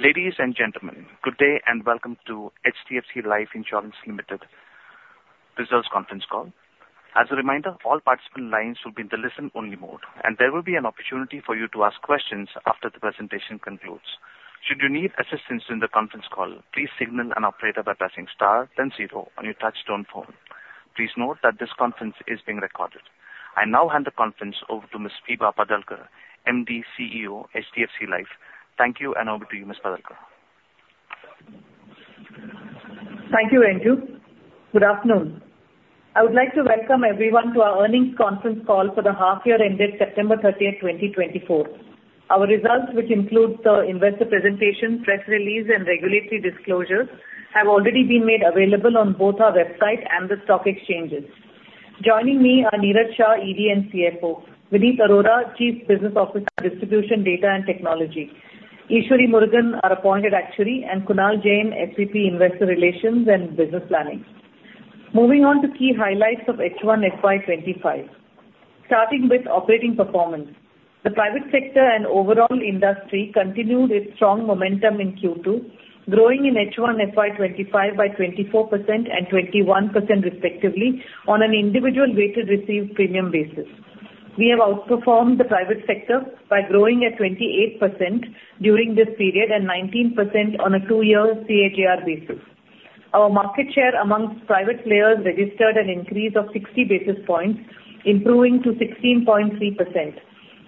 Ladies and gentlemen, good day, and welcome to HDFC Life Insurance Limited Results Conference Call. As a reminder, all participant lines will be in the listen-only mode, and there will be an opportunity for you to ask questions after the presentation concludes. Should you need assistance in the conference call, please signal an operator by pressing star then zero on your touchtone phone. Please note that this conference is being recorded. I now hand the conference over to Ms. Vibha Padalkar, MD, CEO, HDFC Life. Thank you, and over to you, Ms. Padalkar. Thank you, Anju. Good afternoon. I would like to welcome everyone to our earnings conference call for the half year ended September 30, 2024. Our results, which includes the investor presentation, press release, and regulatory disclosures, have already been made available on both our website and the stock exchanges. Joining me are Niraj Shah, ED and CFO, Vineet Arora, Chief Business Officer, Distribution, Data and Technology, Eswari Murugan, our appointed actuary, and Kunal Jain, SVP, Investor Relations and Business Planning. Moving on to key highlights of H1 FY25. Starting with operating performance. The private sector and overall industry continued its strong momentum in Q2, growing in H1 FY 25 by 24% and 21%, respectively, on an individual weighted received premium basis. We have outperformed the private sector by growing at 28% during this period and 19% on a two-year CAGR basis. Our market share among private players registered an increase of 60 basis points, improving to 16.3%.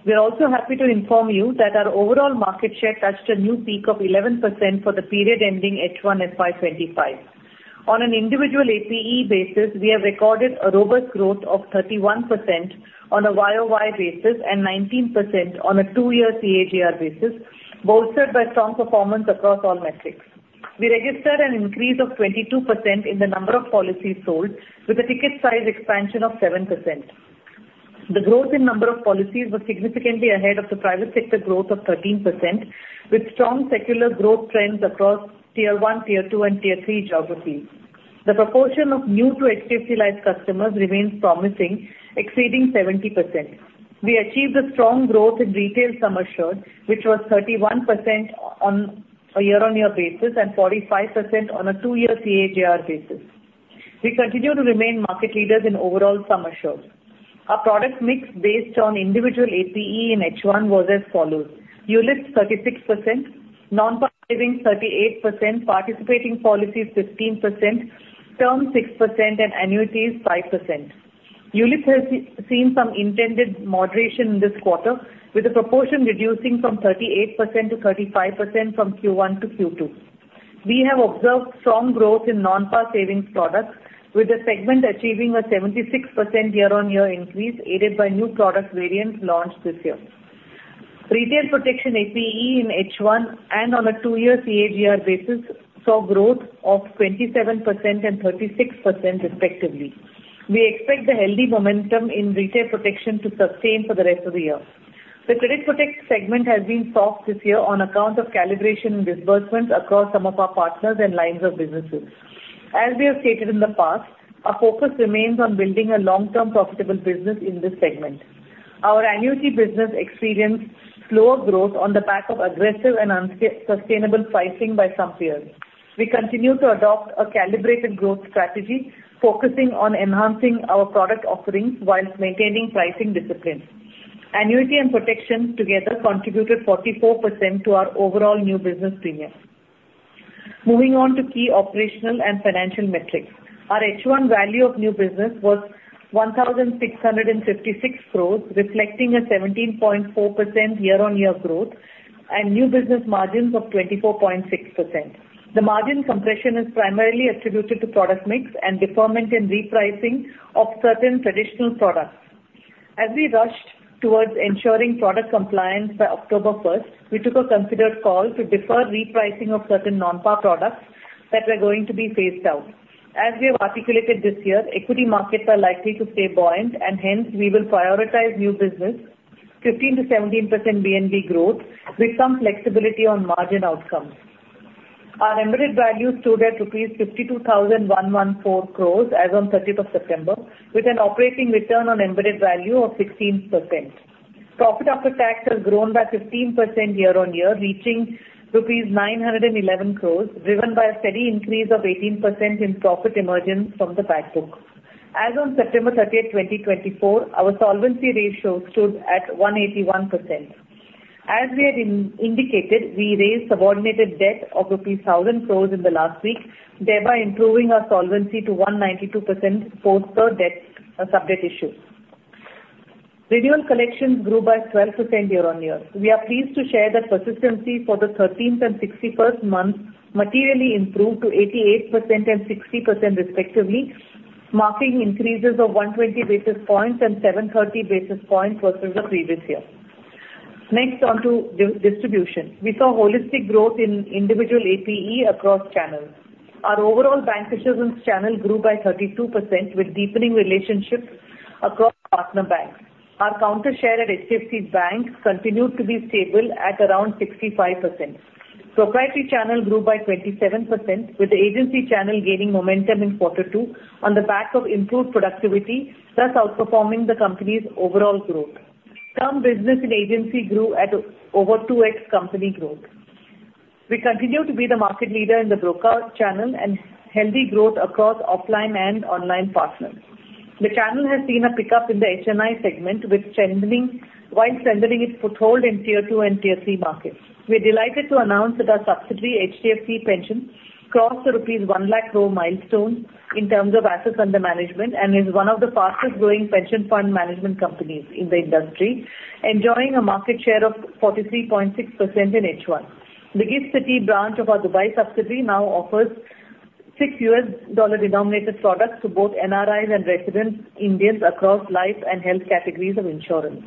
We are also happy to inform you that our overall market share touched a new peak of 11% for the period ending H1 FY 2025. On an individual APE basis, we have recorded a robust growth of 31% on a YOY basis and 19% on a two-year CAGR basis, bolstered by strong performance across all metrics. We registered an increase of 22% in the number of policies sold, with a ticket size expansion of 7%. The growth in number of policies was significantly ahead of the private sector growth of 13%, with strong secular growth trends across Tier 1, Tier 2, and Tier 3 geographies. The proportion of new to HDFC Life customers remains promising, exceeding 70%. We achieved a strong growth in retail sum assured, which was 31% on a year-on-year basis and 45% on a two-year CAGR basis. We continue to remain market leaders in overall sum assured. Our product mix, based on individual APE in H1, was as follows: ULIP 36%, non-participating 38%, participating policies 15%, term 6%, and annuities 5%. ULIP has seen some intended moderation this quarter, with the proportion reducing from 38% to 35% from Q1 to Q2. We have observed strong growth in non-par savings products, with the segment achieving a 76% year-on-year increase, aided by new product variants launched this year. Retail protection APE in H1 and on a two-year CAGR basis saw growth of 27% and 36%, respectively. We expect the healthy momentum in retail protection to sustain for the rest of the year. The Credit Protect segment has been soft this year on account of calibration and disbursements across some of our partners and lines of businesses. As we have stated in the past, our focus remains on building a long-term, profitable business in this segment. Our annuity business experienced slower growth on the back of aggressive and unsustainable pricing by some peers. We continue to adopt a calibrated growth strategy, focusing on enhancing our product offerings while maintaining pricing discipline. Annuity and protection together contributed 44% to our overall new business premium. Moving on to key operational and financial metrics. Our H1 value of new business was 1,656 crores, reflecting a 17.4% year-on-year growth and new business margins of 24.6%. The margin compression is primarily attributed to product mix and deferment and repricing of certain traditional products. As we rushed towards ensuring product compliance by October 1, we took a considered call to defer repricing of certain non-par products that were going to be phased out. As we have articulated this year, equity markets are likely to stay buoyant, and hence we will prioritize new business 15%-17% VNB growth, with some flexibility on margin outcomes. Our embedded value stood at rupees 52,114 crores as on 30 September, with an operating return on embedded value of 16%. Profit after tax has grown by 15% year on year, reaching rupees 911 crores, driven by a steady increase of 18% in profit emergence from the back book. As on September 30, 2024, our solvency ratio stood at 181%. As we had indicated, we raised subordinated debt of rupees 1,000 crore in the last week, thereby improving our solvency to 192% post the sub-debt issue. Premium collections grew by 12% year on year. We are pleased to share that persistency for the 13th and 61st month materially improved to 88% and 60%, respectively, marking increases of 120 basis points and 730 basis points versus the previous year. Next, onto distribution. We saw holistic growth in individual APE across channels. Our overall bancassurance channel grew by 32%, with deepening relationships across partner banks. Our counter share at HDFC Bank continued to be stable at around 65%. Proprietary channel grew by 27%, with the agency channel gaining momentum in quarter two on the back of improved productivity, thus outperforming the company's overall growth. Term business and agency grew at over 2X company growth. We continue to be the market leader in the broker channel and healthy growth across offline and online partners. The channel has seen a pickup in the HNI segment with strengthening, while strengthening its foothold in Tier 2 and Tier 3 markets. We're delighted to announce that our subsidiary, HDFC Pension, crossed the rupees 1 lakh crore milestone in terms of assets under management, and is one of the fastest growing pension fund management companies in the industry, enjoying a market share of 43.6% in H1. The GIFT City branch of our Dubai subsidiary now offers six USD-denominated products to both NRIs and resident Indians across life and health categories of insurance.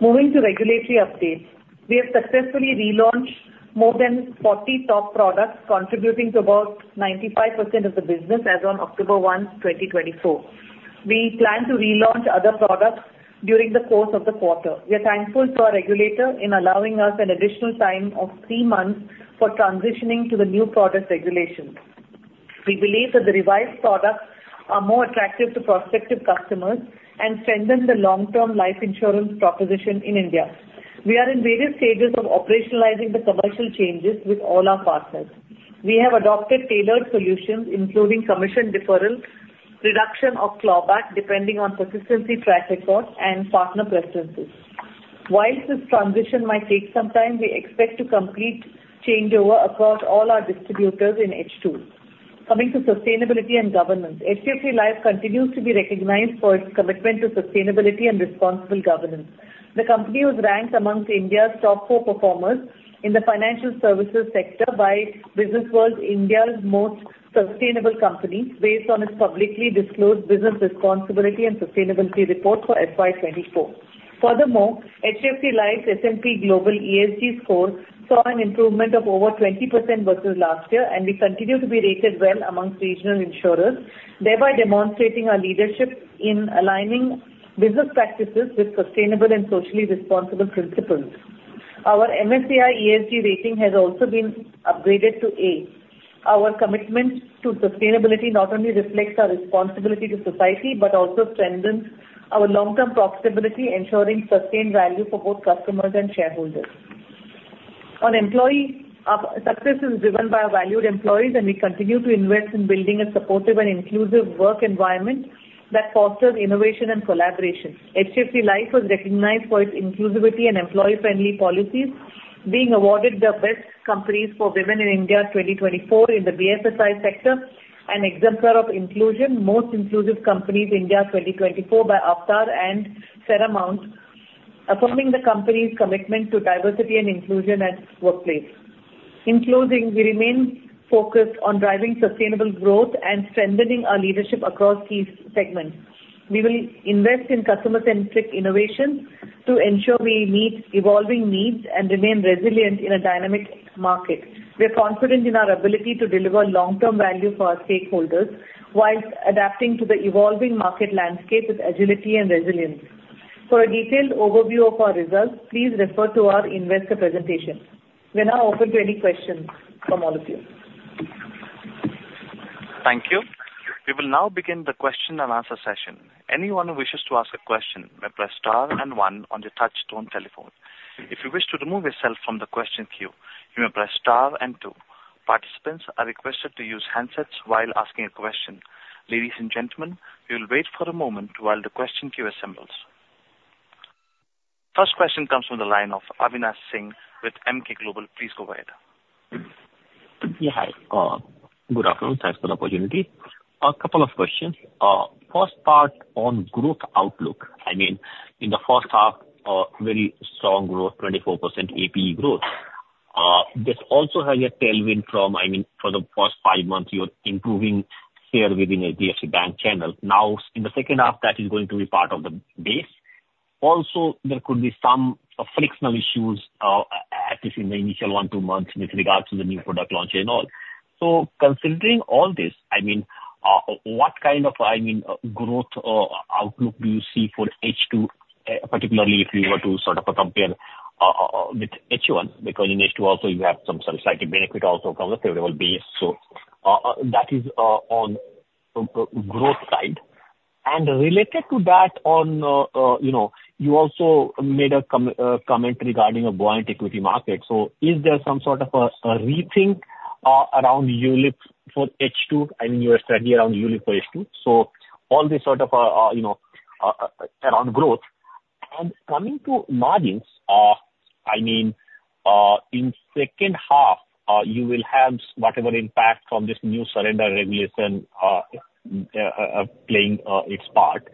Moving to regulatory updates, we have successfully relaunched more than 40 top products, contributing to about 95% of the business as on October 1, 2024. We plan to relaunch other products during the course of the quarter. We are thankful to our regulator in allowing us an additional time of three months for transitioning to the new product regulations. We believe that the revised products are more attractive to prospective customers and strengthen the long-term life insurance proposition in India. We are in various stages of operationalizing the commercial changes with all our partners. We have adopted tailored solutions, including commission deferrals, reduction of clawback, depending on persistency track record and partner preferences. Whilst this transition might take some time, we expect to complete changeover across all our distributors in H2. Coming to sustainability and governance, HDFC Life continues to be recognized for its commitment to sustainability and responsible governance. The company was ranked among India's top four performers in the financial services sector by Businessworld's India's Most Sustainable Company, based on its publicly disclosed business responsibility and sustainability report for FY 2024. Furthermore, HDFC Life's S&P Global ESG score saw an improvement of over 20% versus last year, and we continue to be rated well among regional insurers, thereby demonstrating our leadership in aligning business practices with sustainable and socially responsible principles. Our MSCI ESG rating has also been upgraded to A. Our commitment to sustainability not only reflects our responsibility to society, but also strengthens our long-term profitability, ensuring sustained value for both customers and shareholders. Our employees, our success is driven by our valued employees, and we continue to invest in building a supportive and inclusive work environment that fosters innovation and collaboration. HDFC Life was recognized for its inclusivity and employee-friendly policies, being awarded the Best Companies for Women in India 2024 in the BFSI sector, an exemplar of inclusion, Most Inclusive Companies, India 2024 by Avtar and Seramount, affirming the company's commitment to diversity and inclusion at the workplace. In closing, we remain focused on driving sustainable growth and strengthening our leadership across key segments. We will invest in customer-centric innovation to ensure we meet evolving needs and remain resilient in a dynamic market. We are confident in our ability to deliver long-term value for our stakeholders while adapting to the evolving market landscape with agility and resilience. For a detailed overview of our results, please refer to our investor presentation. We are now open to any questions from all of you. Thank you. We will now begin the question and answer session. Anyone who wishes to ask a question may press star and one on your touchtone telephone. If you wish to remove yourself from the question queue, you may press star and two. Participants are requested to use handsets while asking a question. Ladies and gentlemen, we will wait for a moment while the question queue assembles. First question comes from the line of Avinash Singh with Emkay Global. Please go ahead. Yeah, hi, good afternoon. Thanks for the opportunity. A couple of questions. First part on growth outlook. I mean, in the first half, a very strong growth, 24% APE growth. This also has a tailwind from, I mean, for the first five months, you're improving share within HDFC Bank channel. Now, in the second half, that is going to be part of the base. Also, there could be some frictional issues, at least in the initial 1-2 months with regards to the new product launch and all. So considering all this, I mean, what kind of growth outlook do you see for H2, particularly if you were to sort of compare with H1? Because in H2 also you have some slight benefit also from the favorable base. So, that is on the growth side. And related to that, you know, you also made a comment regarding a buoyant equity market. So is there some sort of a rethink around ULIP for H2? I mean, your strategy around ULIP for H2. So all this sort of, you know, around growth. And coming to margins, I mean, in second half, you will have whatever impact from this new surrender regulation playing its part.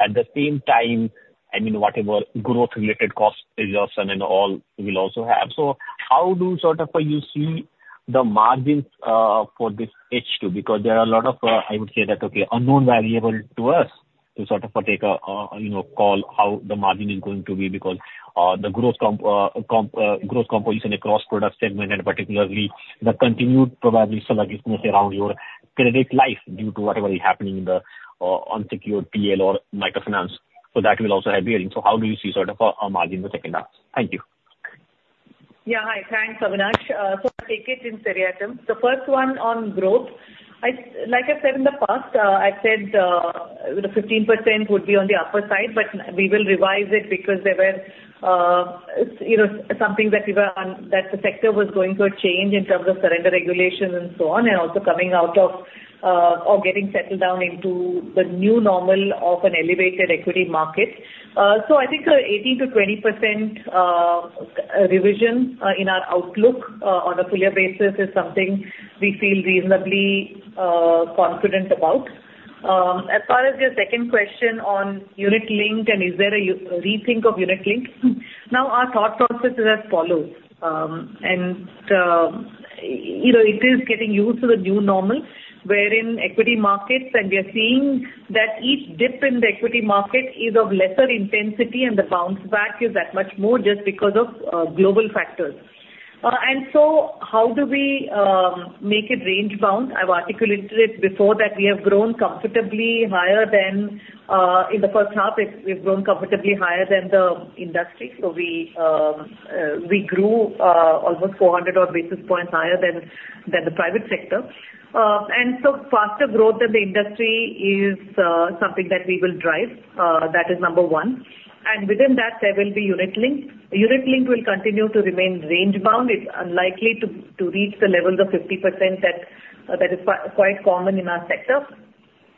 At the same time, I mean, whatever growth-related cost adjustment and all will also have. So how do sort of you see the margins for this H2? Because there are a lot of, I would say that, okay, unknown variable to us to sort of take a, you know, call how the margin is going to be, because, the growth composition across product segment, and particularly the continued probably sluggishness around your credit life due to whatever is happening in the, unsecured PL or microfinance. So that will also have a bearing. So how do you see sort of, our margin in the second half? Thank you. Yeah. Hi, thanks, Avinash. So I'll take it in seriatim. The first one on growth, like I said, in the past, I said, you know, 15% would be on the upper side, but we will revise it because there were something that the sector was going through a change in terms of surrender regulations and so on, and also coming out of or getting settled down into the new normal of an elevated equity market. So I think a 18%-20% revision in our outlook on a full year basis is something we feel reasonably confident about. As far as your second question on unit linked, and is there a rethink of unit link? Now, our thought process is as follows. You know, it is getting used to the new normal, wherein equity markets, and we are seeing that each dip in the equity market is of lesser intensity, and the bounce back is that much more just because of global factors. So how do we make it range-bound? I've articulated it before, that we have grown comfortably higher than in the first half. We've grown comfortably higher than the industry. So we grew almost 400 odd basis points higher than the private sector. Faster growth in the industry is something that we will drive, that is number one. Within that, there will be unit link. Unit link will continue to remain range-bound. It's unlikely to reach the levels of 50% that is quite common in our sector,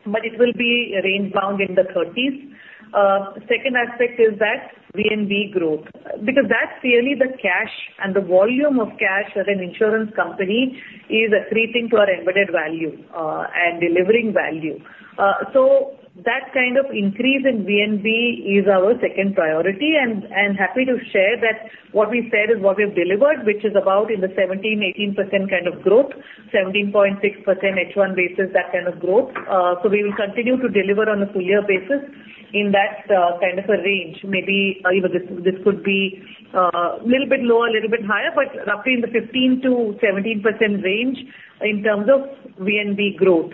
but it will be range-bound in the 30s. Second aspect is that VNB growth, because that's really the cash, and the volume of cash as an insurance company is a treat to our embedded value, and delivering value. That kind of increase in VNB is our second priority, and I'm happy to share that what we said is what we've delivered, which is about in the 17-18% kind of growth, 17.6% H1 basis, that kind of growth. We will continue to deliver on a full year basis in that kind of a range. Maybe, you know, this could be a little bit lower, a little bit higher, but roughly in the 15%-17% range in terms of VNB growth.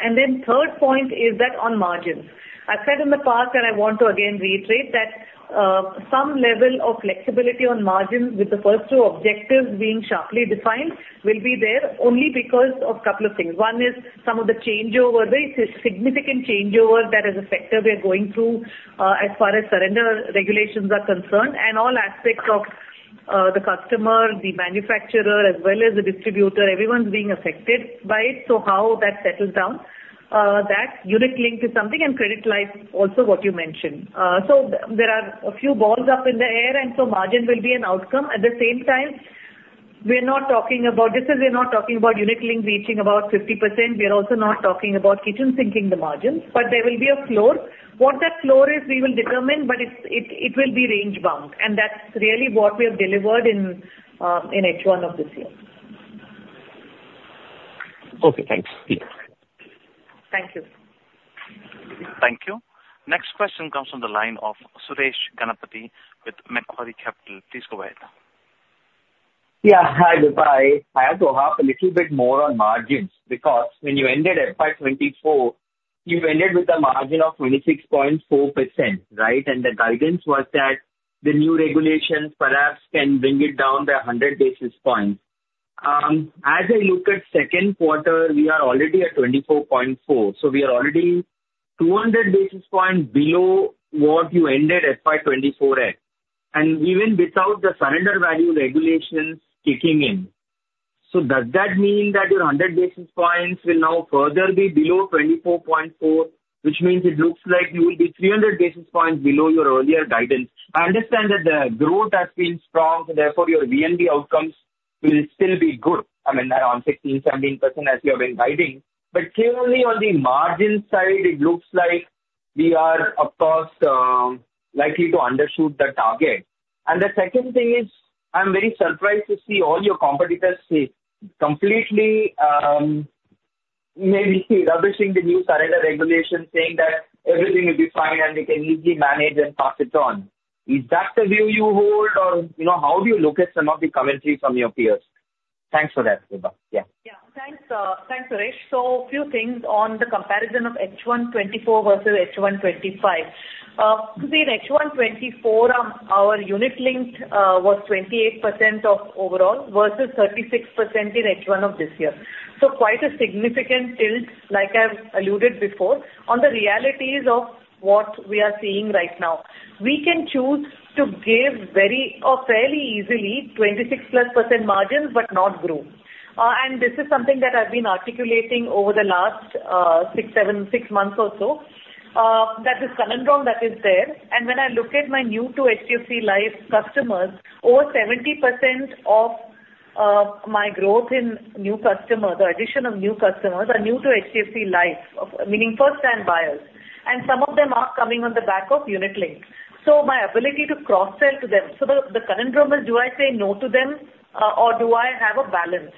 And then third point is that on margins. I've said in the past, and I want to again reiterate, that, some level of flexibility on margins with the first two objectives being sharply defined, will be there only because of couple of things. One is some of the changeover, very significant changeover that as a sector we are going through, as far as surrender regulations are concerned, and all aspects of, the customer, the manufacturer, as well as the distributor, everyone's being affected by it. So how that settles down, that unit link is something, and credit life also what you mentioned. So there are a few balls up in the air, and so margin will be an outcome. At the same time, we're not talking about—this is, we're not talking about unit link reaching about 50%. We are also not talking about kitchen sinking the margins, but there will be a floor. What that floor is, we will determine, but it will be range-bound, and that's really what we have delivered in H1 of this year. Okay, thanks. Thank you. Thank you. Next question comes from the line of Suresh Ganapathy with Macquarie Capital. Please go ahead. Yeah. Hi, Vibha. I have to harp a little bit more on margins, because when you ended FY 2024, you ended with a margin of 26.4%, right? And the guidance was that the new regulations perhaps can bring it down by 100 basis points. As I look at second quarter, we are already at 24.4, so we are already 200 basis points below what you ended FY 2024 at, and even without the surrender value regulations kicking in. So does that mean that your 100 basis points will now further be below 24.4? Which means it looks like you will be 300 basis points below your earlier guidance. I understand that the growth has been strong, so therefore your VNB outcomes will still be good. I mean, around 16-17% as you have been guiding. But clearly on the margin side, it looks like we are, of course, likely to undershoot the target. And the second thing is, I'm very surprised to see all your competitors say, completely, maybe rubbishing the new surrender regulation, saying that everything will be fine and they can easily manage and pass it on. Is that the view you hold, or, you know, how do you look at some of the commentary from your peers? Thanks for that, Vibha. Yeah. Yeah. Thanks, thanks, Suresh. So a few things on the comparison of H1 2024 versus H1 2025. Between H1 2024, our unit linked was 28% of overall versus 36% in H1 of this year. So quite a significant tilt, like I've alluded before, on the realities of what we are seeing right now. We can choose to give very or fairly easily 26% plus margins, but not grow. And this is something that I've been articulating over the last six, seven, six months or so. That is conundrum that is there. And when I look at my new to HDFC Life customers, over 70% of my growth in new customers, or addition of new customers, are new to HDFC Life, of meaning first-time buyers, and some of them are coming on the back of unit link. So my ability to cross-sell to them. So the conundrum is, do I say no to them, or do I have a balance?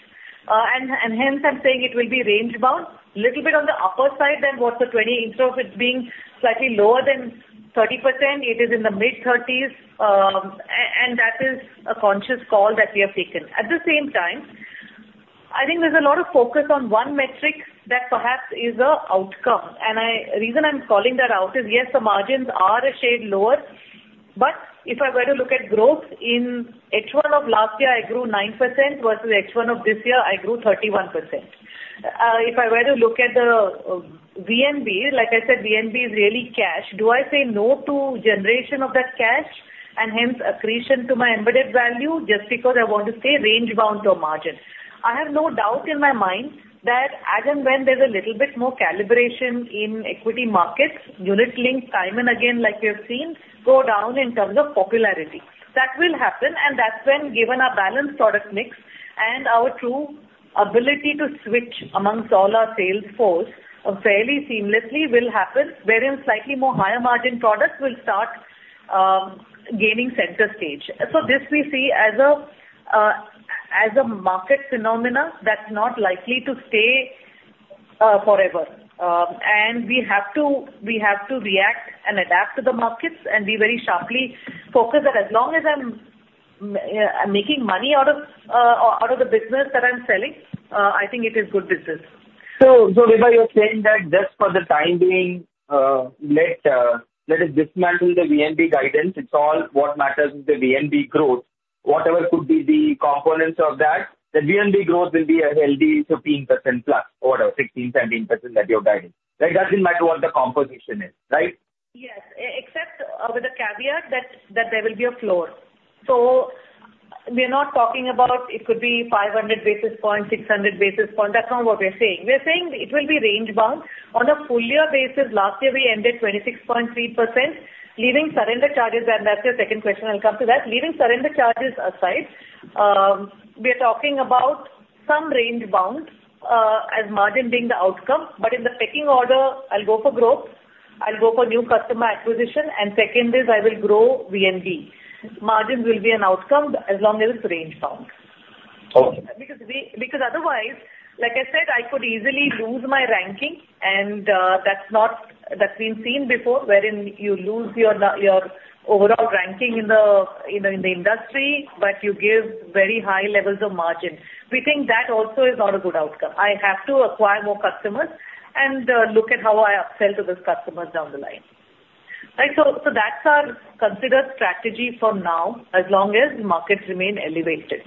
And hence I'm saying it will be range-bound, little bit on the upper side than what the 20, instead of it being slightly lower than 30%, it is in the mid-30s. And that is a conscious call that we have taken. At the same time, I think there's a lot of focus on one metric that perhaps is an outcome. And reason I'm calling that out is yes, the margins are a shade lower, but if I were to look at growth in H1 of last year, I grew 9%, versus H1 of this year, I grew 31%. If I were to look at the VNB, like I said, VNB is really cash. Do I say no to generation of that cash?... and hence accretion to my embedded value, just because I want to stay range bound to a margin. I have no doubt in my mind that as and when there's a little bit more calibration in equity markets, unit links time and again, like you've seen, go down in terms of popularity. That will happen, and that's when, given our balanced product mix and our true ability to switch amongst all our sales force fairly seamlessly will happen, wherein slightly more higher margin products will start gaining center stage. So this we see as a, as a market phenomenon that's not likely to stay forever. And we have to react and adapt to the markets, and we very sharply focus that as long as I'm making money out of the business that I'm selling, I think it is good business. So, Vibha, you're saying that just for the time being, let us dismantle the VNB guidance. It's all what matters is the VNB growth. Whatever could be the components of that, the VNB growth will be a healthy 15% plus, or whatever, 16, 17% that you have guided. That doesn't matter what the composition is, right? Yes, except with the caveat that there will be a floor. So we are not talking about it could be 500 basis points, 600 basis points. That's not what we're saying. We're saying it will be range bound. On a full year basis, last year we ended 26.3%, leaving surrender charges, and that's your second question, I'll come to that. Leaving surrender charges aside, we are talking about some range bound, as margin being the outcome. But in the pecking order, I'll go for growth, I'll go for new customer acquisition, and second is I will grow VNB. Margins will be an outcome as long as it's range bound. Okay. Because otherwise, like I said, I could easily lose my ranking, and that's not. That's been seen before, wherein you lose your overall ranking in the, you know, in the industry, but you give very high levels of margin. We think that also is not a good outcome. I have to acquire more customers and look at how I upsell to those customers down the line. Right, so that's our considered strategy for now, as long as markets remain elevated.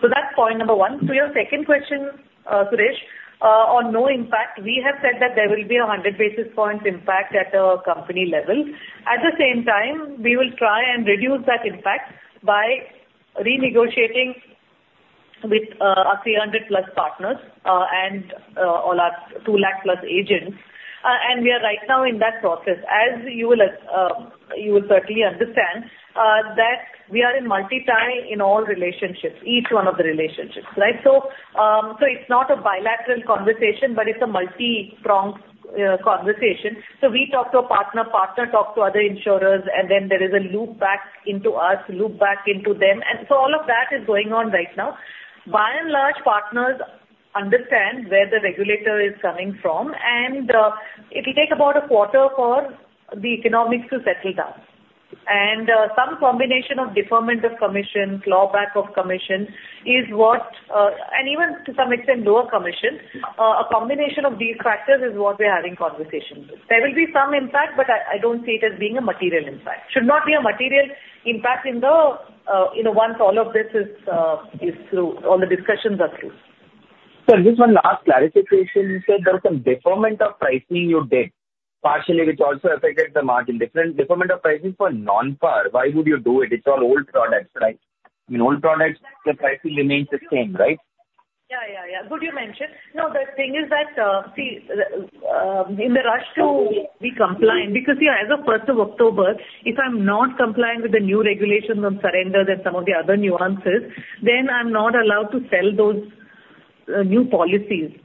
So that's point number one. To your second question, Suresh, on no impact, we have said that there will be 100 basis points impact at a company level. At the same time, we will try and reduce that impact by renegotiating with our 300 plus partners, and all our two lakh plus agents. And we are right now in that process. As you will, you will certainly understand, that we are in multi-tie in all relationships, each one of the relationships, right? So, so it's not a bilateral conversation, but it's a multi-pronged conversation. So we talk to a partner, partner talk to other insurers, and then there is a loop back into us, loop back into them, and so all of that is going on right now. By and large, partners understand where the regulator is coming from, and, it'll take about a quarter for the economics to settle down. And, some combination of deferment of commissions, clawback of commissions, is what... And even to some extent, lower commissions, a combination of these factors is what we're having conversations with. There will be some impact, but I don't see it as being a material impact. Should not be a material impact in the, you know, once all of this is through, all the discussions are through. So just one last clarification. You said there was a deferment of pricing you did, partially which also affected the margin. Deferment, deferment of pricing for non-par, why would you do it? It's all old products, right? In old products, the pricing remains the same, right? Yeah, yeah, yeah. Good, you mentioned. No, the thing is that, see, in the rush to be compliant, because, yeah, as of 1, October, if I'm not compliant with the new regulations on surrenders and some of the other nuances, then I'm not allowed to sell those new policies.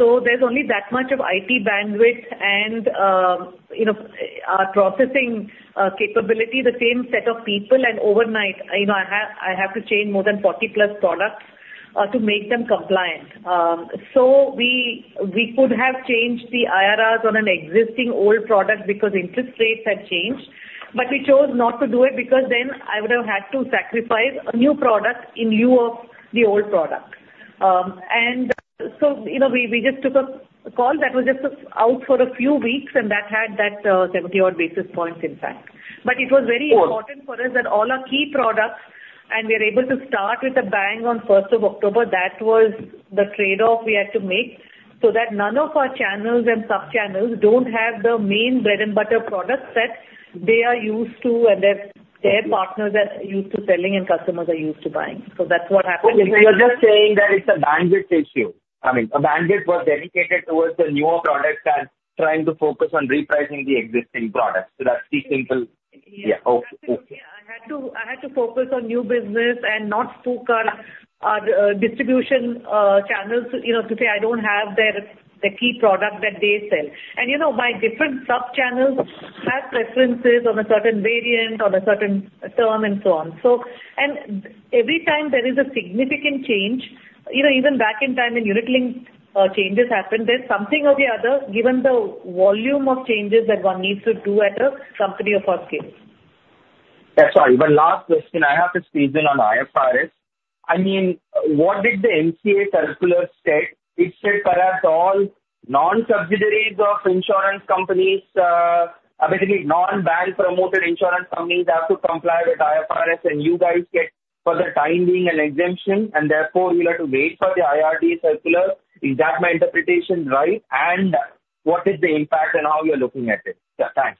So there's only that much of IT bandwidth and, you know, processing capability, the same set of people, and overnight, you know, I have to change more than 40 plus products to make them compliant. So we could have changed the IRRs on an existing old product because interest rates have changed, but we chose not to do it because then I would have had to sacrifice a new product in lieu of the old product. and so, you know, we just took a call that was just out for a few weeks, and that had 70-odd basis points impact. But it was very important- Sure. for us that all our key products, and we are able to start with a bang on 1, October, that was the trade-off we had to make, so that none of our channels and sub-channels don't have the main bread and butter products that they are used to, and their partners are used to selling and customers are used to buying. So that's what happened. So you're just saying that it's a bandwidth issue. I mean, a bandwidth was dedicated towards the newer products and trying to focus on repricing the existing products. So that's the simple- Yeah. Okay. Okay. I had to focus on new business and not spook our distribution channels, you know, to say I don't have their the key product that they sell. And, you know, my different sub-channels have preferences on a certain variant, on a certain term, and so on. So, and every time there is a significant change, you know, even back in time when unit-linked changes happened, there's something or the other, given the volume of changes that one needs to do at a company of our scale. Yeah, sorry, one last question. I have to squeeze in on IFRS. I mean, what did the MCA circular state? It said that all non-subsidiaries of insurance companies, basically non-bank promoted insurance companies, have to comply with IFRS, and you guys get, for the time being, an exemption, and therefore you'll have to wait for the IRDA circular. Is that my interpretation right? And the- ...What is the impact and how you're looking at it? Yeah, thanks.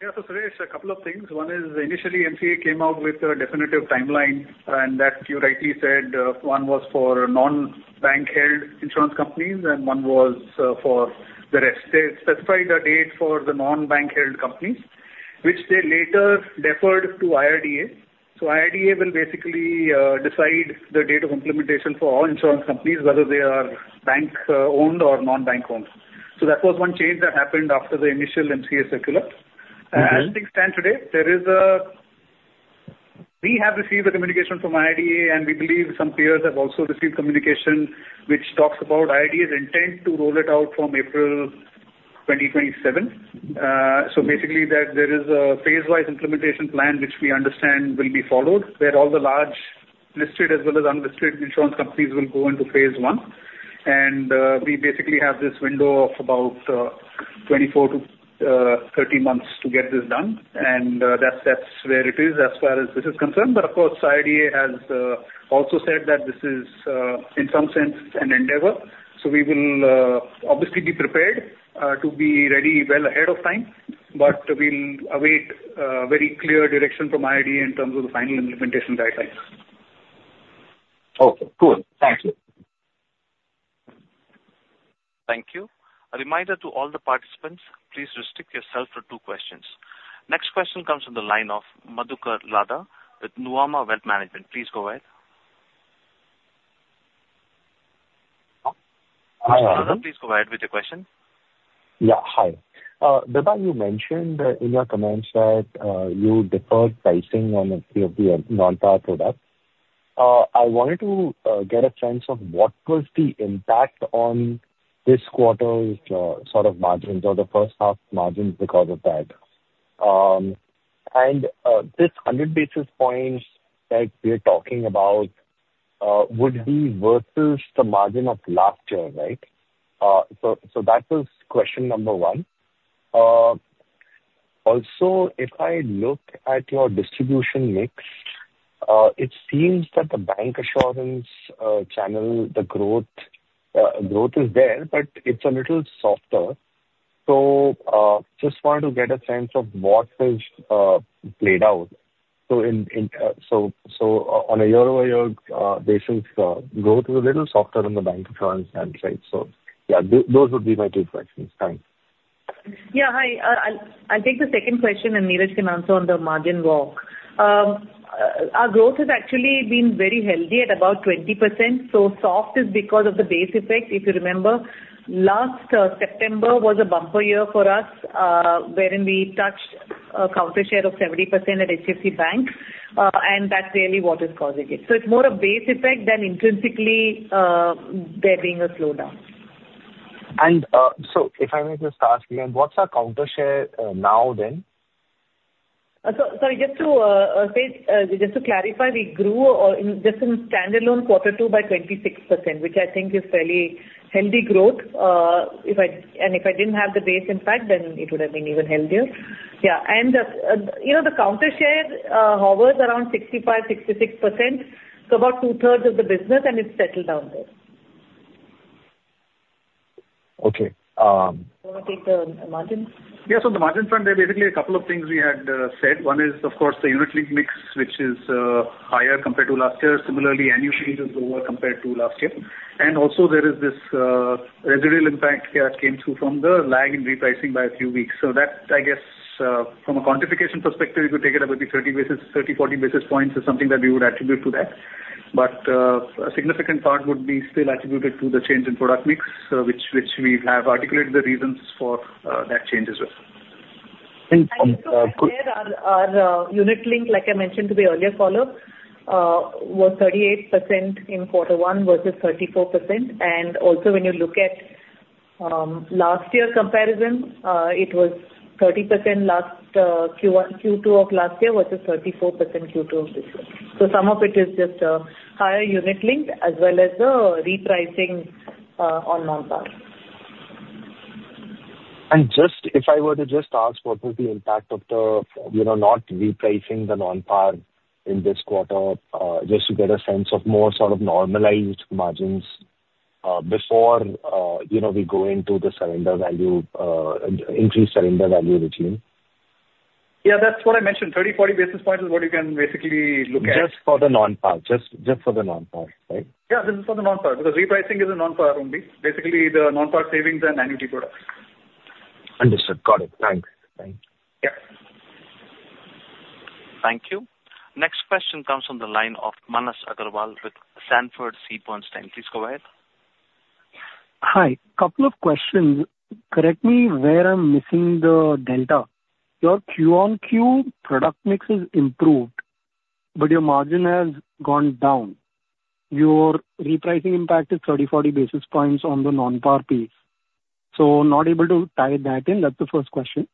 Yeah, so Suresh, a couple of things. One is initially, MCA came out with a definitive timeline, and that you rightly said, one was for non-bank-held insurance companies and one was for the rest. They specified a date for the non-bank-held companies, which they later deferred to IRDA. So IRDA will basically decide the date of implementation for all insurance companies, whether they are bank-owned or non-bank-owned. So that was one change that happened after the initial MCA circular. Mm-hmm. As things stand today, there is. We have received a communication from IRDA, and we believe some peers have also received communication, which talks about IRDA's intent to roll it out from April 2027. So basically, that there is a phase-wise implementation plan which we understand will be followed, where all the large listed as well as unlisted insurance companies will go into phase one. And we basically have this window of about 24-30 months to get this done, and that's where it is as far as this is concerned. But of course, IRDA has also said that this is in some sense an endeavor, so we will obviously be prepared to be ready well ahead of time. But we'll await very clear direction from IRDA in terms of the final implementation guidelines. Okay, cool. Thank you. Thank you. A reminder to all the participants, please restrict yourself to two questions. Next question comes from the line of Madhukar Ladha with Nuvama Wealth Management. Please go ahead. Madhukar Ladha, please go ahead with your question. Yeah, hi. Vibha, you mentioned in your comments that you deferred pricing on a few of the non-par products. I wanted to get a sense of what was the impact on this quarter's sort of margins or the first half margins because of that. And this hundred basis points that we're talking about would be versus the margin of last year, right? So that was question number one. Also, if I look at your distribution mix, it seems that the bancassurance channel, the growth is there, but it's a little softer. So just wanted to get a sense of what is played out. So in, so on a year-over-year basis, growth is a little softer on the bancassurance side, right? So yeah, those would be my two questions. Thanks. Yeah, hi. I'll take the second question, and Neeraj can answer on the margin walk. Our growth has actually been very healthy at about 20%, so soft is because of the base effect. If you remember, last September was a bumper year for us, wherein we touched a counter share of 70% at HDFC Bank, and that's really what is causing it. So it's more a base effect than intrinsically there being a slowdown. If I may just ask again, what's our market share now, then? So just to clarify, we grew in just standalone Quarter Two by 26%, which I think is fairly healthy growth. If I and if I didn't have the base impact, then it would have been even healthier. Yeah, and you know, the bancassurance share hovers around 65-66%, so about two-thirds of the business, and it's settled down there. Okay, um- You wanna take the margins? Yeah, so on the margin front, there are basically a couple of things we had said. One is, of course, the unit link mix, which is higher compared to last year. Similarly, annual change is lower compared to last year. And also there is this residual impact that came through from the lag in repricing by a few weeks. So that, I guess, from a quantification perspective, you could take it about 30-40 basis points is something that we would attribute to that. But a significant part would be still attributed to the change in product mix, which we have articulated the reasons for, that change as well. Good- Our unit link, like I mentioned to the earlier caller, was 38% in Quarter One versus 34%. And also, when you look at last year comparison, it was 30% last Q1, Q2 of last year, versus 34% Q2 of this year. So some of it is just higher unit link as well as the repricing on non-par. And just, if I were to just ask what was the impact of the, you know, not repricing the non-par in this quarter, just to get a sense of more sort of normalized margins, before, you know, we go into the surrender value, increased surrender value regime? Yeah, that's what I mentioned. 30-40 basis points is what you can basically look at. Just for the non-par, right? Yeah, this is for the non-par, because repricing is a non-par only. Basically, the non-par savings and annuity products. Understood. Got it. Thanks. Thanks. Yeah. Thank you. Next question comes from the line of Manas Agarwal with Sanford C. Bernstein. Please go ahead. Hi, couple of questions. Correct me where I'm missing the delta. Your Q-on-Q product mix has improved, but your margin has gone down. Your repricing impact is 30-40 basis points on the non-par piece, so not able to tie that in. That's the first question.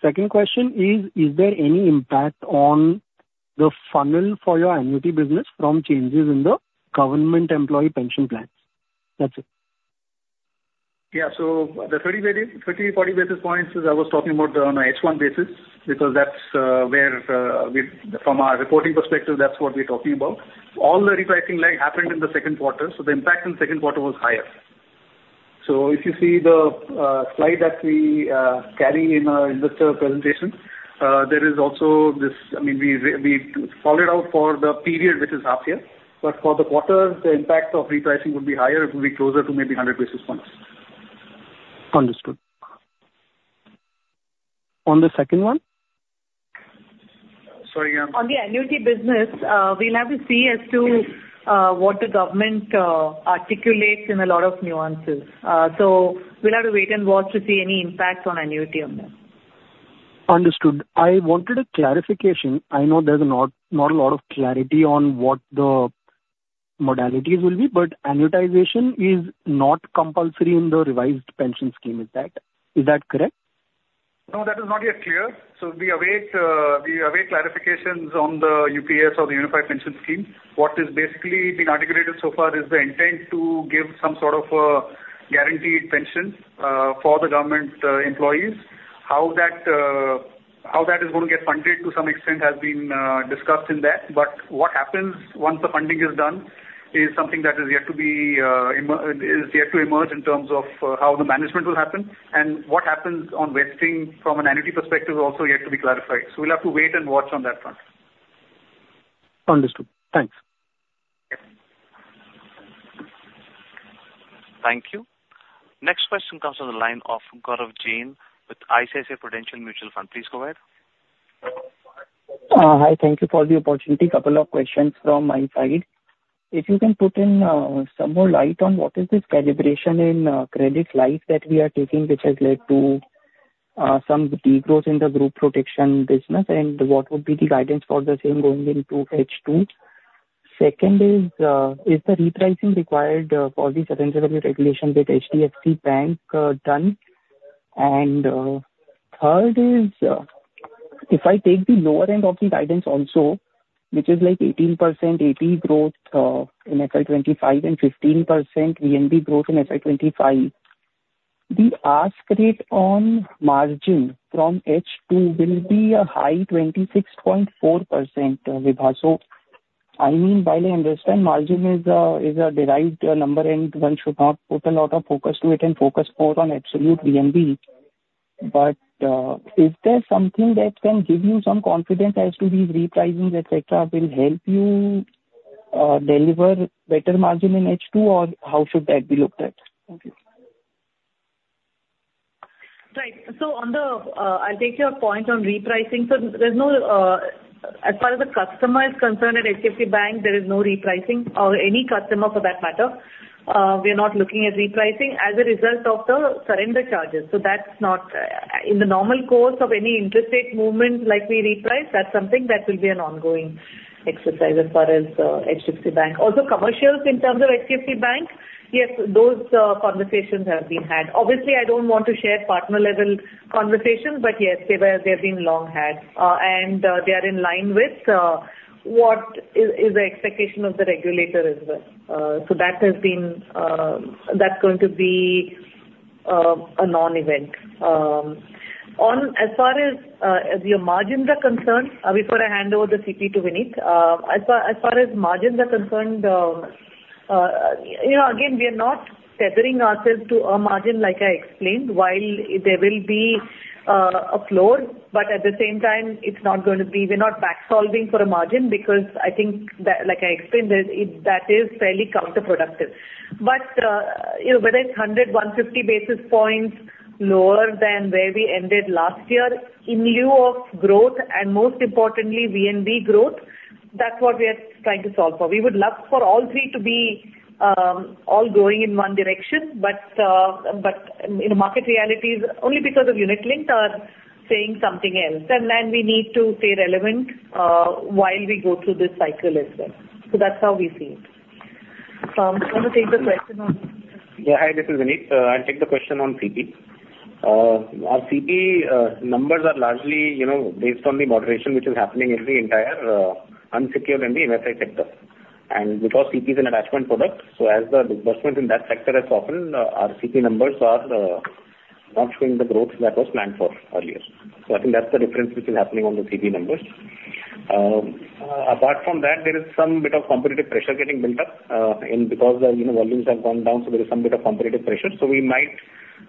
Second question is, is there any impact on the funnel for your annuity business from changes in the government employee pension plans? That's it. Yeah, so the 30-40 basis points, as I was talking about on a H-one basis, because that's where we from our reporting perspective, that's what we're talking about. All the repricing lag happened in the second quarter, so the impact in the second quarter was higher. So if you see the slide that we carry in our investor presentation, there is also this. I mean, we followed out for the period, which is half year, but for the quarter, the impact of repricing would be higher. It will be closer to maybe 100 basis points. Understood. On the second one? Sorry, um- On the annuity business, we'll have to see as to what the government articulates in a lot of nuances. So we'll have to wait and watch to see any impact on annuity on them. Understood. I wanted a clarification. I know there's not a lot of clarity on what the modalities will be, but annuitization is not compulsory in the revised pension scheme. Is that correct? No, that is not yet clear. So we await clarifications on the UPS or the Unified Pension Scheme. What is basically being articulated so far is the intent to give some sort of a guaranteed pension for the government employees. How that is going to get funded to some extent has been discussed in that. But what happens once the funding is done is something that is yet to emerge in terms of how the management will happen. And what happens on vesting from an annuity perspective is also yet to be clarified. So we'll have to wait and watch on that front. Understood. Thanks. Yep. Thank you. Next question comes on the line of Gaurav Jain with ICICI Prudential Mutual Fund. Please go ahead. Hi. Thank you for the opportunity. A couple of questions from my side. If you can put in some more light on what is this calibration in credit life that we are taking, which has led to some degrowth in the group protection business? And what would be the guidance for the same going into H2? Second is, is the repricing required for the certain regulation with HDFC Bank done? And third is, if I take the lower end of the guidance also, which is like 18% AP growth in FY 2025 and 15% VNB growth in FY 2025, the ask rate on margin from H2 will be a high 26.4%, Vibha. So, I mean, while I understand margin is a derived number, and one should not put a lot of focus to it and focus more on absolute VNB, but, is there something that can give you some confidence as to these repricings, et cetera, will help you deliver better margin in H2, or how should that be looked at? Thank you. Right. So on the, I'll take your point on repricing. So there's no, as far as the customer is concerned, at HDFC Bank, there is no repricing or any customer for that matter. We are not looking at repricing as a result of the surrender charges. So that's not... In the normal course of any interest rate movement, like we reprice, that's something that will be an ongoing exercise as far as, HDFC Bank. Also, commercials in terms of HDFC Bank, yes, those, conversations have been had. Obviously, I don't want to share partner-level conversations, but yes, they've been long had, and, they are in line with, what is the expectation of the regulator as well. So that has been, that's going to be, a non-event. On as far as your margins are concerned, before I hand over the CP to Vineet, as far as margins are concerned, you know, again, we are not tethering ourselves to a margin, like I explained, while there will be a floor, but at the same time, it's not going to be... We're not back solving for a margin because I think that, like I explained, that it is fairly counterproductive. But you know, whether it's 100-150 basis points lower than where we ended last year, in lieu of growth and most importantly, VNB growth, that's what we are trying to solve for. We would love for all three to be all going in one direction, but in market realities, only because of unit link, are saying something else. And then we need to stay relevant while we go through this cycle as well. So that's how we see it. Want to take the question on? Yeah, hi, this is Vineet. I'll take the question on CP. Our CP numbers are largely, you know, based on the moderation, which is happening in the entire unsecured and the NFI sector. And because CP is an attachment product, so as the disbursements in that sector has softened, our CP numbers are not showing the growth that was planned for earlier. So I think that's the difference which is happening on the CP numbers. Apart from that, there is some bit of competitive pressure getting built up, and because, you know, volumes have gone down, so there is some bit of competitive pressure. So we might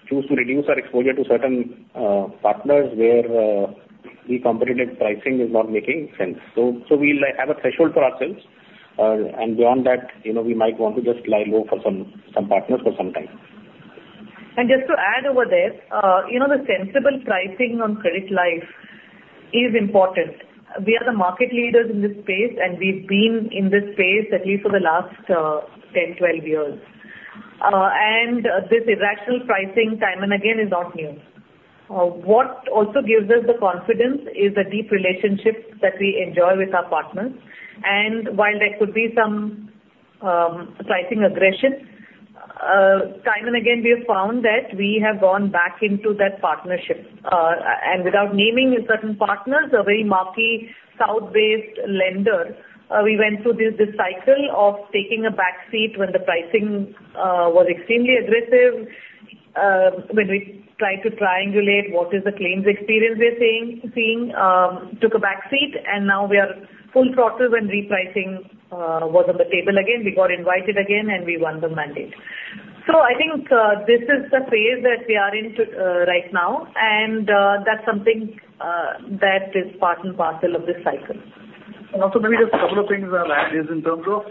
choose to reduce our exposure to certain partners where the competitive pricing is not making sense. So, we'll have a threshold for ourselves, and beyond that, you know, we might want to just lie low for some partners for some time. And just to add over there, you know, the sensible pricing on credit life is important. We are the market leaders in this space, and we've been in this space at least for the last 10, 12 years. And this irrational pricing time and again is not new. What also gives us the confidence is the deep relationships that we enjoy with our partners. And while there could be some pricing aggression time and again, we have found that we have gone back into that partnership. And without naming certain partners, a very marquee south-based lender, we went through this cycle of taking a back seat when the pricing was extremely aggressive... When we tried to triangulate what is the claims experience we're seeing took a back seat, and now we are full throttle when repricing was on the table again. We got invited again, and we won the mandate. So I think this is the phase that we are into right now, and that's something that is part and parcel of this cycle. And also, maybe just a couple of things I'll add is in terms of,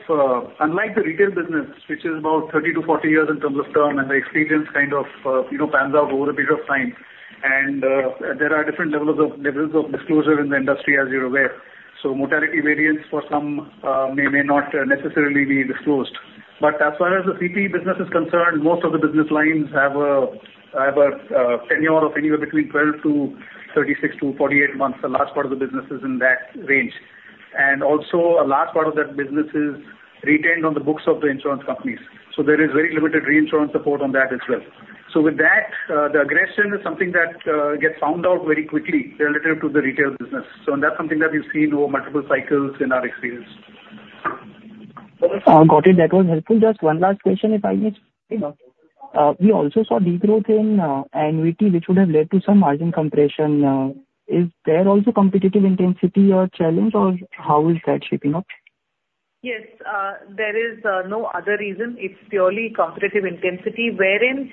unlike the retail business, which is about 30 -40 years in terms of term, and the experience kind of, you know, pans out over a period of time. And, there are different levels of disclosure in the industry, as you're aware. So mortality variance for some, may not necessarily be disclosed. But as far as the CP business is concerned, most of the business lines have a tenure of anywhere between 12 to 30-48 months. The last part of the business is in that range. And also, a large part of that business is retained on the books of the insurance companies, so there is very limited reinsurance support on that as well. So with that, the aggression is something that gets found out very quickly relative to the retail business. So that's something that we've seen over multiple cycles in our experience. Got it. That was helpful. Just one last question, if I may. You know, we also saw degrowth in annuity, which would have led to some margin compression. Is there also competitive intensity or challenge, or how is that shaping up? Yes, there is no other reason. It's purely competitive intensity, wherein.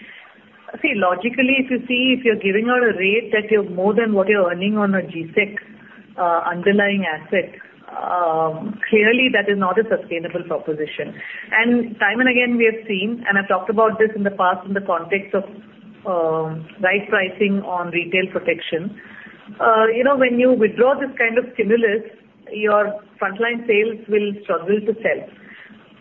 See, logically, if you see, if you're giving out a rate that you're more than what you're earning on a G-Sec underlying asset, clearly that is not a sustainable proposition. And time and again, we have seen, and I've talked about this in the past in the context of right pricing on retail protection. You know, when you withdraw this kind of stimulus, your frontline sales will struggle to sell.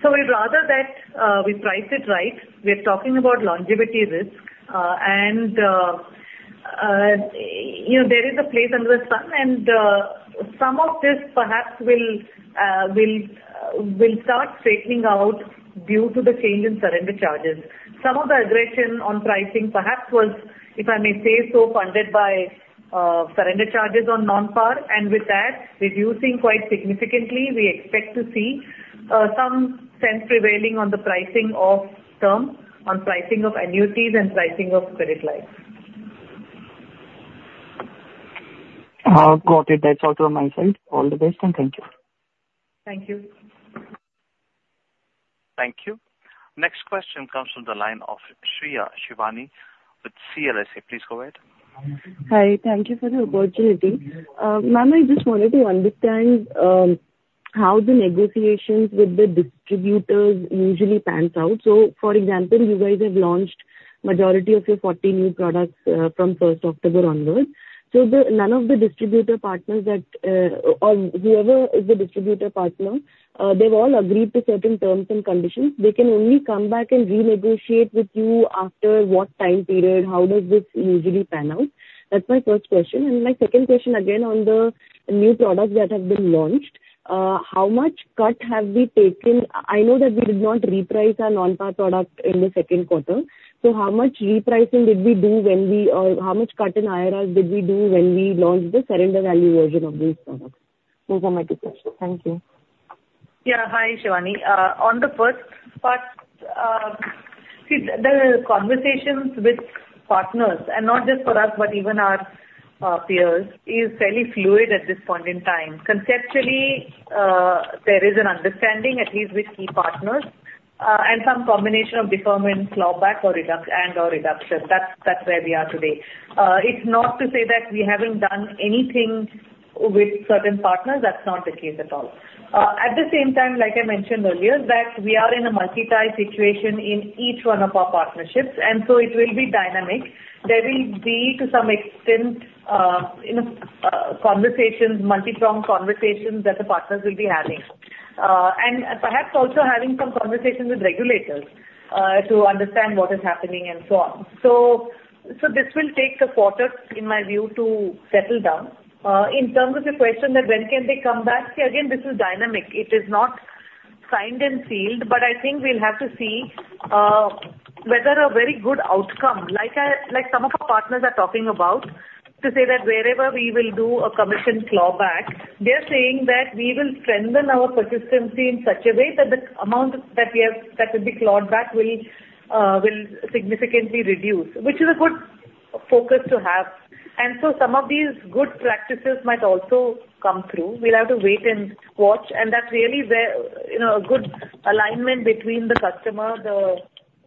So we'd rather that we price it right. We're talking about longevity risk, and you know, there is a place under the sun, and some of this perhaps will start straightening out due to the change in surrender charges. Some of the aggression on pricing perhaps was, if I may say so, funded by, surrender charges on non-par, and with that reducing quite significantly, we expect to see, some sense prevailing on the pricing of term, on pricing of annuities and pricing of credit lives. Got it. That's all from my side. All the best, and thank you. Thank you. Thank you. Next question comes from the line of Shreya Shivani with CLSA. Please go ahead. Hi. Thank you for the opportunity. Ma'am, I just wanted to understand how the negotiations with the distributors usually pans out. So, for example, you guys have launched majority of your 40 new products from 1, October onwards, so none of the distributor partners that or whoever is the distributor partner they've all agreed to certain terms and conditions. They can only come back and renegotiate with you after what time period? How does this usually pan out? That's my first question. And my second question, again, on the new products that have been launched, how much cut have we taken? I know that we did not reprice our non-par product in the second quarter, so how much repricing did we do when we... Or how much cut in IRRs did we do when we launched the surrender value version of these products? Those are my two questions. Thank you. Yeah. Hi, Shivani. On the first part, see, the conversations with partners, and not just for us, but even our peers, is fairly fluid at this point in time. Conceptually, there is an understanding, at least with key partners, and some combination of deferment, clawback or reduction. That's where we are today. It's not to say that we haven't done anything with certain partners. That's not the case at all. At the same time, like I mentioned earlier, that we are in a multi-tie situation in each one of our partnerships, and so it will be dynamic. There will be, to some extent, you know, conversations, multipronged conversations that the partners will be having. And perhaps also having some conversations with regulators, to understand what is happening and so on. This will take a quarter, in my view, to settle down. In terms of the question that when can they come back? Again, this is dynamic. It is not signed and sealed, but I think we'll have to see whether a very good outcome, like some of our partners are talking about, to say that wherever we will do a commission clawback, they're saying that we will strengthen our persistency in such a way that the amount that we have, that will be clawed back will significantly reduce, which is a good focus to have. And so some of these good practices might also come through. We'll have to wait and watch, and that's really where, you know, a good alignment between the customer, the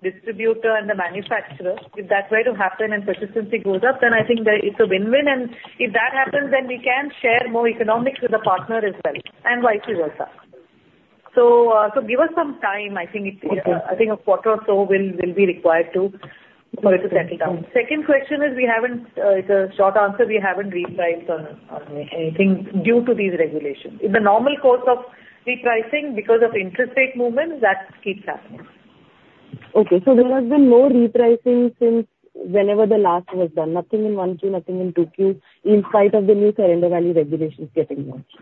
distributor, and the manufacturer. If that were to happen and persistency goes up, then I think that it's a win-win, and if that happens, then we can share more economics with the partner as well, and vice versa. So, give us some time. I think it- Okay. I think a quarter or so will be required for it to settle down. Okay. Second question is, we haven't. It's a short answer, we haven't repriced on anything due to these regulations. In the normal course of repricing, because of interest rate movement, that keeps happening. Okay, so there has been no repricing since whenever the last was done. Nothing in one Q, nothing in two Q, in spite of the new surrender value regulations getting launched?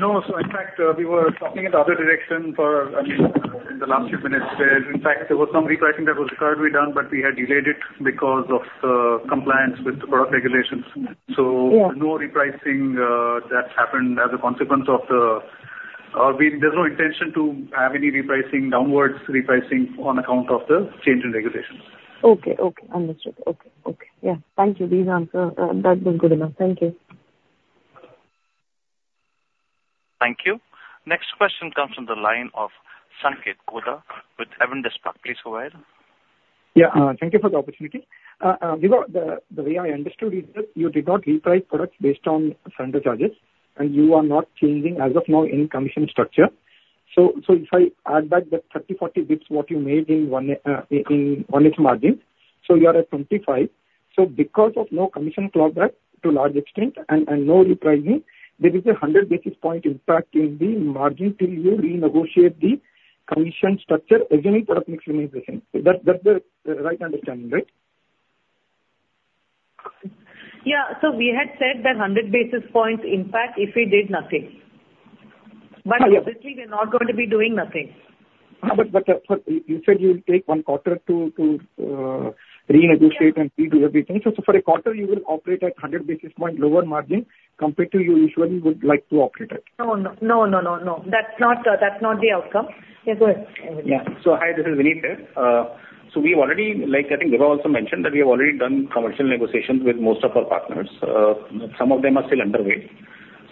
No. So in fact, we were talking in the other direction for, I mean, in the last few minutes. In fact, there was some repricing that was required to be done, but we had delayed it because of compliance with the product regulations. Yeah. So no repricing, that's happened as a consequence of the. There's no intention to have any repricing, downwards repricing on account of the change in regulations. Okay, okay, understood. Okay, okay. Yeah, thank you. These answers, that's been good enough. Thank you. Thank you. Next question comes from the line of Sanket Godha with Avendus Sec, please go ahead. Yeah, thank you for the opportunity. Vibha, the way I understood is that you did not reprice products based on surrender charges, and you are not changing, as of now, any commission structure. So if I add back the 30-40 basis points what you made in 1H margin, so you are at 25. So because of no commission clawback to a large extent and no repricing, there is a 100 basis points impact in the margin till you renegotiate the commission structure, as any product mix remains the same. Is that the right understanding, right? Yeah. So we had said that 100 basis points impact if we did nothing. Ah, yes. But obviously we're not going to be doing nothing. But you said you'll take one quarter to renegotiate- Yeah... and redo everything. So for a quarter you will operate at 100 basis points lower margin compared to you usually would like to operate at? No, no. No, no, no, no. That's not, that's not the outcome. Yeah, go ahead. Yeah. So hi, this is Vineet here. So we've already, like I think Vibha also mentioned, that we have already done commercial negotiations with most of our partners. Some of them are still underway.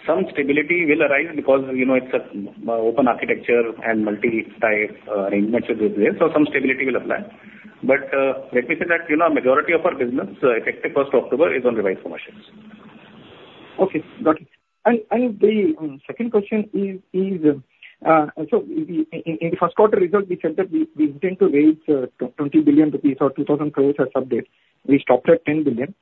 Some stability will arise because, you know, it's a open architecture and multi-tie arrangements uncertain. So some stability will apply. But, let me say that, you know, majority of our business, effective 1, October, is on revised commercials. Okay, got it. And the second question is, so in the first quarter result, we said that we intend to raise 20 billion rupees or 2,000 crores as subordinated debt. We stopped at 10 billion.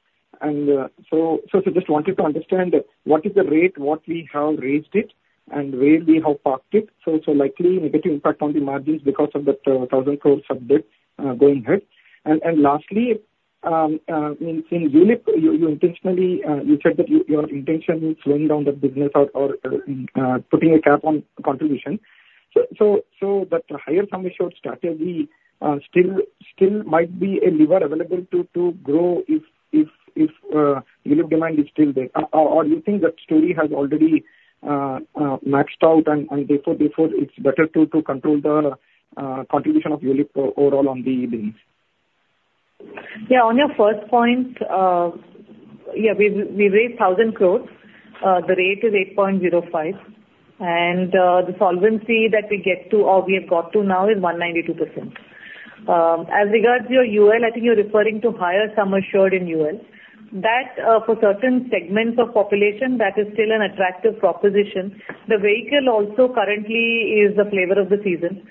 And so just wanted to understand, what is the rate at which we have raised it and where we have parked it? So likely negative impact on the margins because of that 1,000 crore subordinated debt going ahead. And lastly, in ULIP, you intentionally said that your intention is slowing down the business or putting a cap on contribution. So that higher sum assured strategy still might be a lever available to grow if ULIP demand is still there. Or you think that story has already maxed out and therefore it's better to control the contribution of ULIP overall on the business? On your first point, we raised 1,000 crores. The rate is 8.05%, and the solvency that we get to or we have got to now is 192%. As regards your UL, I think you're referring to higher sum assured in UL. That, for certain segments of population, that is still an attractive proposition. The vehicle also currently is the flavor of the season.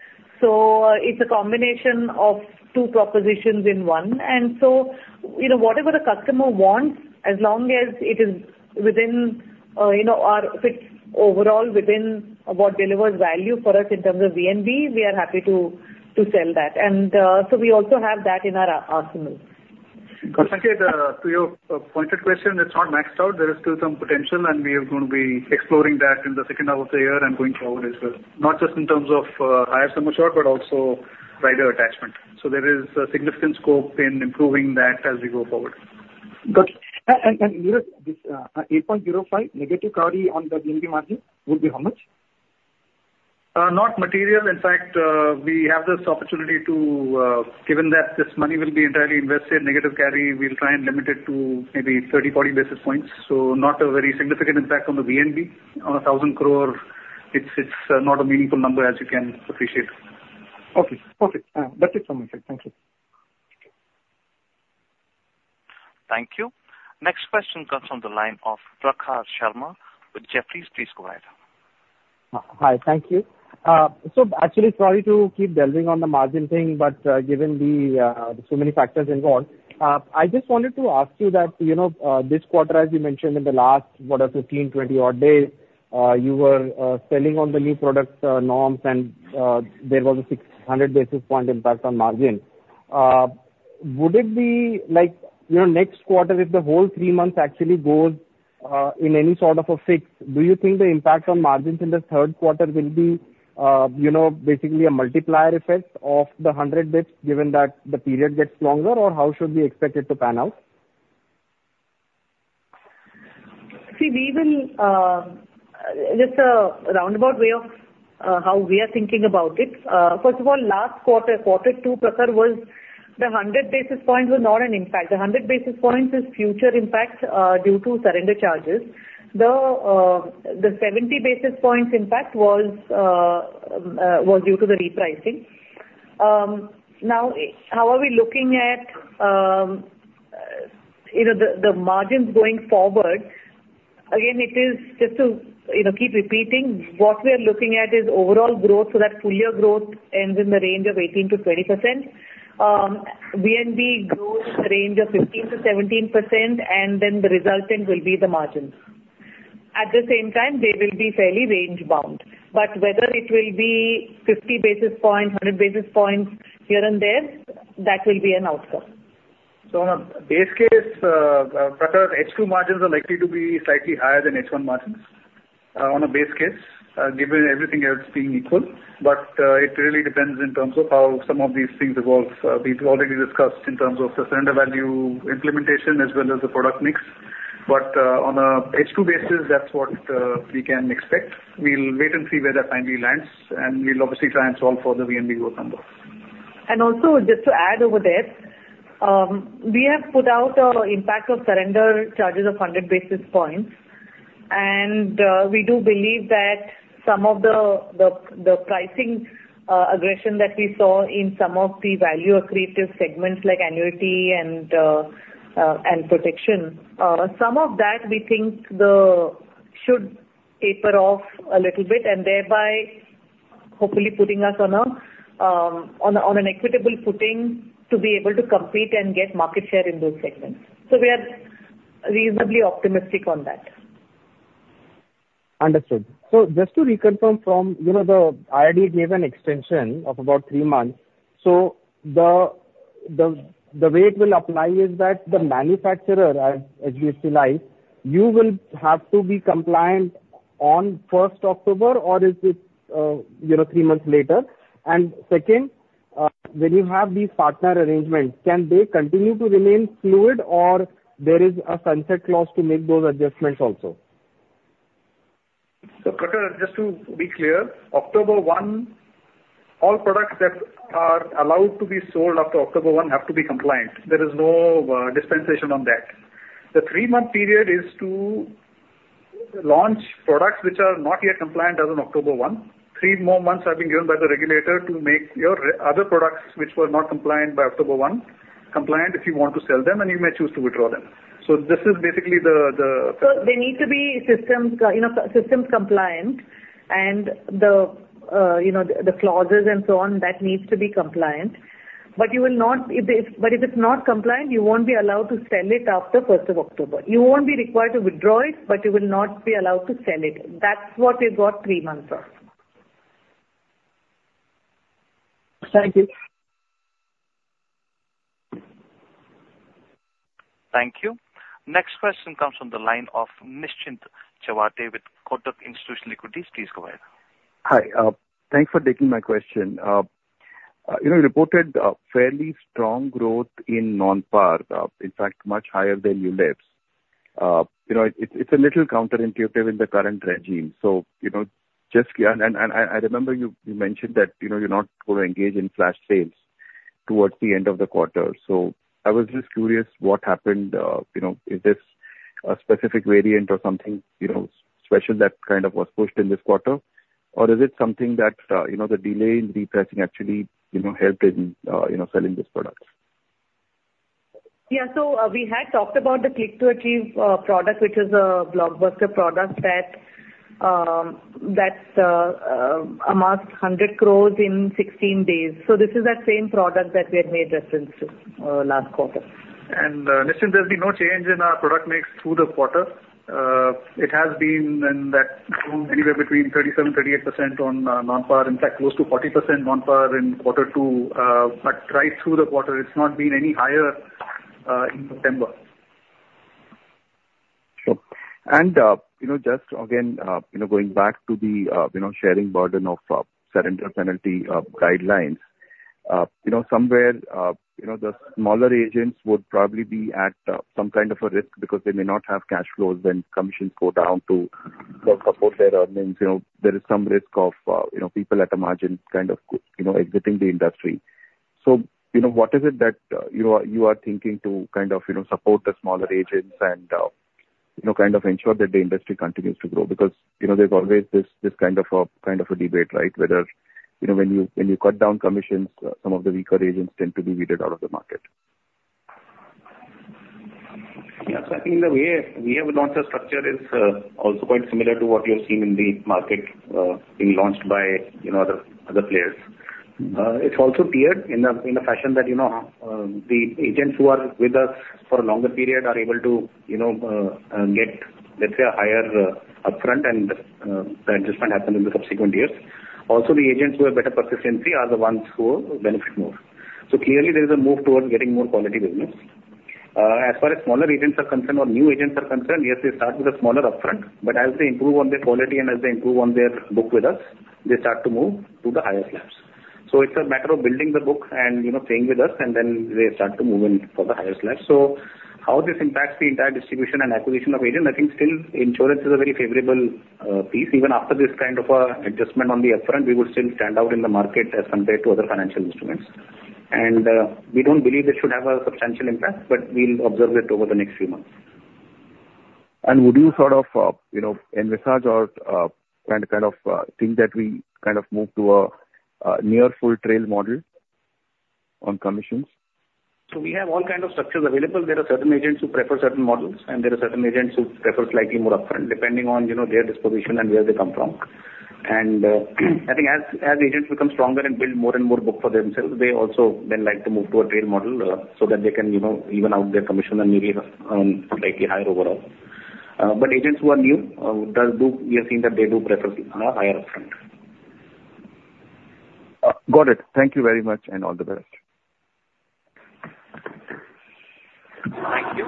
So, it's a combination of two propositions in one, and so, you know, whatever the customer wants, as long as it is within, you know, our fits overall within what delivers value for us in terms of VNB, we are happy to sell that. And, so we also have that in our arsenal. Sanket, to your pointed question, it's not maxed out. There is still some potential, and we are gonna be exploring that in the second half of the year and going forward as well, not just in terms of higher sum assured, but also rider attachment. So there is a significant scope in improving that as we go forward. Got you. And Vineet, this 8.05 negative carry on the VNB margin would be how much? Not material. In fact, we have this opportunity to, given that this money will be entirely invested, negative carry, we'll try and limit it to maybe 30-40 basis points. So not a very significant impact on the VNB. On 1,000 crore, it's not a meaningful number, as you can appreciate. Okay. Okay, that's it from my side. Thank you. Thank you. Next question comes from the line of Prakhar Sharma with Jefferies. Please go ahead. Hi, thank you. So actually, sorry to keep delving on the margin thing, but, given the so many factors involved, I just wanted to ask you that, you know, this quarter, as you mentioned in the last what 15-20 odd days, you were selling on the new products norms, and there was a 600 basis point impact on margin. Would it be like, you know, next quarter, if the whole three months actually goes in any sort of a fix, do you think the impact on margins in the third quarter will be, you know, basically a multiplier effect of the 100 basis points, given that the period gets longer, or how should we expect it to pan out? See, we will just a roundabout way of how we are thinking about it. First of all, last quarter, quarter two, Prakhar, the hundred basis points were not an impact. The 100 basis points is future impact due to surrender charges. The 70 basis points impact was due to the repricing. Now, how are we looking at, you know, the margins going forward? Again, it is just to, you know, keep repeating. What we are looking at is overall growth so that full year growth ends in the range of 18%-20%. VNB growth in the range of 15%-17%, and then the resultant will be the margins. At the same time, they will be fairly range-bound, but whether it will be 50 basis points, 100 basis points, here and there, that will be an outcome. On a base case, Prakhar, H2 margins are likely to be slightly higher than H1 margins, on a base case, given everything else being equal, but it really depends in terms of how some of these things evolve. We've already discussed in terms of the surrender value implementation as well as the product mix, but on a H2 basis, that's what we can expect. We'll wait and see where that finally lands, and we'll obviously try and solve for the VNB growth number. And also, just to add over there, we have put out our impact of surrender charges of 100 basis points, and we do believe that some of the pricing aggression that we saw in some of the value accretive segments like annuity and protection, some of that we think should taper off a little bit, and thereby, hopefully putting us on an equitable footing to be able to compete and get market share in those segments. So we are reasonably optimistic on that. Understood. So just to reconfirm from, you know, the IRDAI gave an extension of about three months, so the way it will apply is that the manufacturer, as HDFC Life, you will have to be compliant on 1, October, or is it, you know, three months later? And second, when you have these partner arrangements, can they continue to remain fluid or there is a sunset clause to make those adjustments also? So Prakhar, just to be clear, October 1, all products that are allowed to be sold after October one have to be compliant. There is no dispensation on that. The three-month period is to launch products which are not yet compliant as on October 1. Three more months have been given by the regulator to make your other products which were not compliant by October one, compliant if you want to sell them, and you may choose to withdraw them. So this is basically the So they need to be systems, you know, systems compliant and the, you know, the clauses and so on, that needs to be compliant. But if it's not compliant, you won't be allowed to sell it after 1, October. You won't be required to withdraw it, but you will not be allowed to sell it. That's what we've got three months of. Thank you. Thank you. Next question comes from the line of Nischint Chawathe with Kotak Institutional Equities. Please go ahead. Hi, thanks for taking my question. You know, you reported a fairly strong growth in non-par, in fact, much higher than you left. You know, it's a little counterintuitive in the current regime. So, you know, I remember you mentioned that, you know, you're not going to engage in flash sales towards the end of the quarter. So I was just curious what happened. You know, is this a specific variant or something special that kind of was pushed in this quarter? Or is it something that, you know, the delay in repricing actually helped in selling these products? Yeah. So, we had talked about the Click 2 Achieve product, which is a blockbuster product that amassed 100 crores in 16 days. So this is that same product that we had made reference to last quarter. Nischint, there's been no change in our product mix through the quarter. It has been in that range anywhere between 37-38% on non-par. In fact, close to 40% non-par in quarter two. Right through the quarter, it's not been any higher in September. Sure. And, you know, just again, you know, going back to the, you know, sharing burden of surrender penalty guidelines. You know, somewhere, you know, the smaller agents would probably be at some kind of a risk because they may not have cash flows when commissions go down to support their earnings. You know, there is some risk of you know, people at the margin kind of you know, exiting the industry. So, you know, what is it that you are thinking to kind of you know, support the smaller agents and you know, kind of ensure that the industry continues to grow? Because, you know, there's always this kind of a debate, right? Whether you know, when you cut down commissions, some of the weaker agents tend to be weeded out of the market. Yeah. So I think the way we have launched the structure is also quite similar to what you're seeing in the market, being launched by, you know, other players. It's also tiered in a fashion that, you know, the agents who are with us for a longer period are able to, you know, get, let's say, a higher upfront and the adjustment happen in the subsequent years. Also, the agents who have better persistency are the ones who benefit more. So clearly, there is a move towards getting more quality business. As far as smaller agents are concerned or new agents are concerned, yes, they start with a smaller upfront, but as they improve on their quality and as they improve on their book with us, they start to move to the higher slabs. So it's a matter of building the book and, you know, staying with us, and then they start to move in for the higher slabs. So how this impacts the entire distribution and acquisition of agents, I think still insurance is a very favorable piece. Even after this kind of adjustment on the upfront, we would still stand out in the market as compared to other financial instruments. And, we don't believe this should have a substantial impact, but we'll observe it over the next few months. Would you sort of, you know, envisage or kind of think that we kind of move to a near full trail model on commissions? So we have all kind of structures available. There are certain agents who prefer certain models, and there are certain agents who prefer slightly more upfront, depending on, you know, their disposition and where they come from. And, I think as agents become stronger and build more and more book for themselves, they also then like to move to a trail model, so that they can, you know, even out their commission and maybe earn slightly higher overall. But agents who are new, we have seen that they do prefer a higher upfront. Got it. Thank you very much, and all the best. Thank you.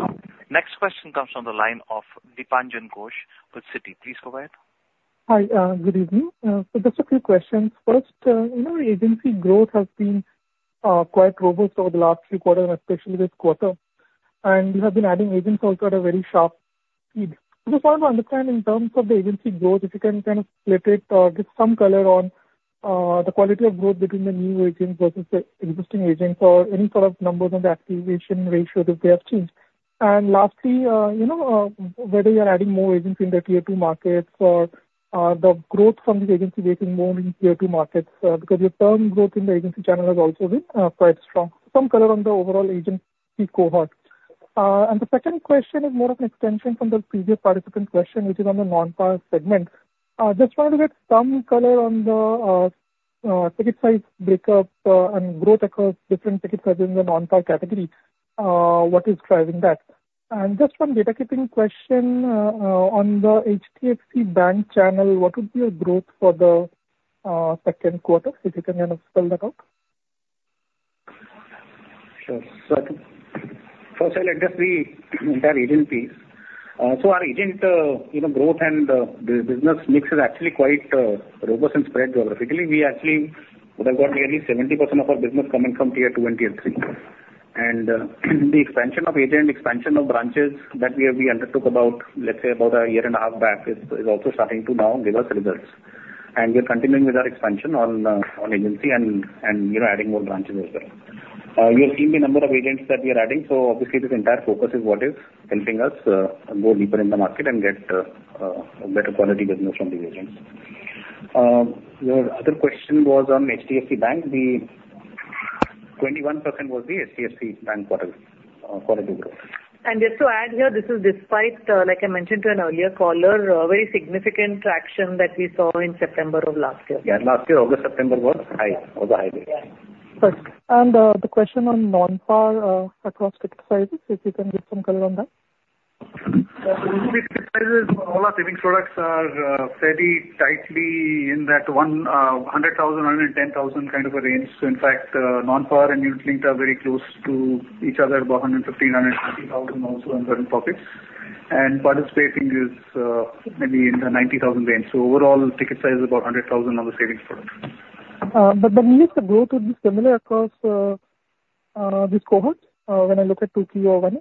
Next question comes from the line of Dipanjan Ghosh with Citi. Please go ahead. Hi, good evening. So just a few questions. First, you know, agency growth has been quite robust over the last three quarters, and especially this quarter, and you have been adding agents also at a very sharp speed. Just want to understand in terms of the agency growth, if you can kind of split it or give some color on the quality of growth between the new agents versus the existing agents, or any sort of numbers on the activation ratio, if they have changed. And lastly, you know, whether you are adding more agents in the tier two markets or the growth from these agency is more in tier two markets because your term growth in the agency channel has also been quite strong. Some color on the overall agency cohort. And the second question is more of an extension from the previous participant question, which is on the non-par segment. Just wanted to get some color on the ticket size breakup and growth across different ticket sizes in the non-par category. What is driving that? And just one data keeping question on the HDFC Bank channel, what would be your growth for the second quarter? If you can kind of spell that out. Sure. So first I'll address the entire agency. So our agency, you know, growth and the business mix is actually quite robust and spread geographically. We actually would have got nearly 70% of our business coming from Tier 2 and Tier 3. And the expansion of agency, expansion of branches that we undertook about, let's say, a year and a half back, is also starting to now give us results. And we're continuing with our expansion on agency and, you know, adding more branches as well. You have seen the number of agents that we are adding, so obviously this entire focus is what is helping us go deeper in the market and get a better quality business from these agents. Your other question was on HDFC Bank. The 21% was the HDFC Bank quarter growth. Just to add here, this is despite, like I mentioned to an earlier caller, a very significant traction that we saw in September of last year. Yeah, last year, August, September was high. It was a high day. Yeah. First, and, the question on non-par, across ticket sizes, if you can give some color on that? Ticket sizes, all our savings products are fairly tightly in that one 100,000- 110,000 kind of a range. So in fact, non-par and unit linked are very close to each other, about 115- 150,000, also in certain pockets. And participating is maybe in the 90,000 range. So overall, ticket size is about 100,000 on the savings product. But the mix of growth would be similar across this cohort when I look at Tier two, tier one?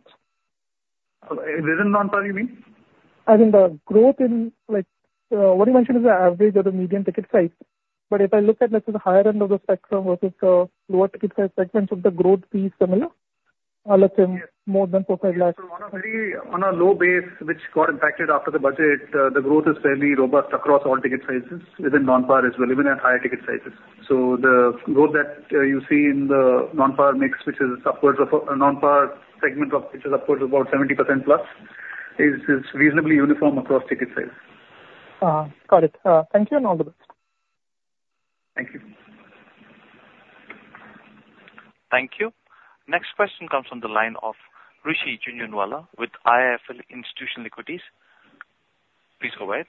Within non-par, you mean? I mean, the growth in, like, what you mentioned is the average or the median ticket size. But if I look at, let's say, the higher end of the spectrum versus the lower ticket size segments, would the growth be similar? Let's say more than four-five lakhs. On a very low base, which got impacted after the budget, the growth is fairly robust across all ticket sizes, within non-par as well, even at higher ticket sizes. So the growth that you see in the non-par mix, which is upwards of a non-par segment of about 70% plus, is reasonably uniform across ticket size. Got it. Thank you and all the best. Thank you. Thank you. Next question comes from the line of Rishi Jhunjhunwala with IIFL Institutional Equities. Please go ahead.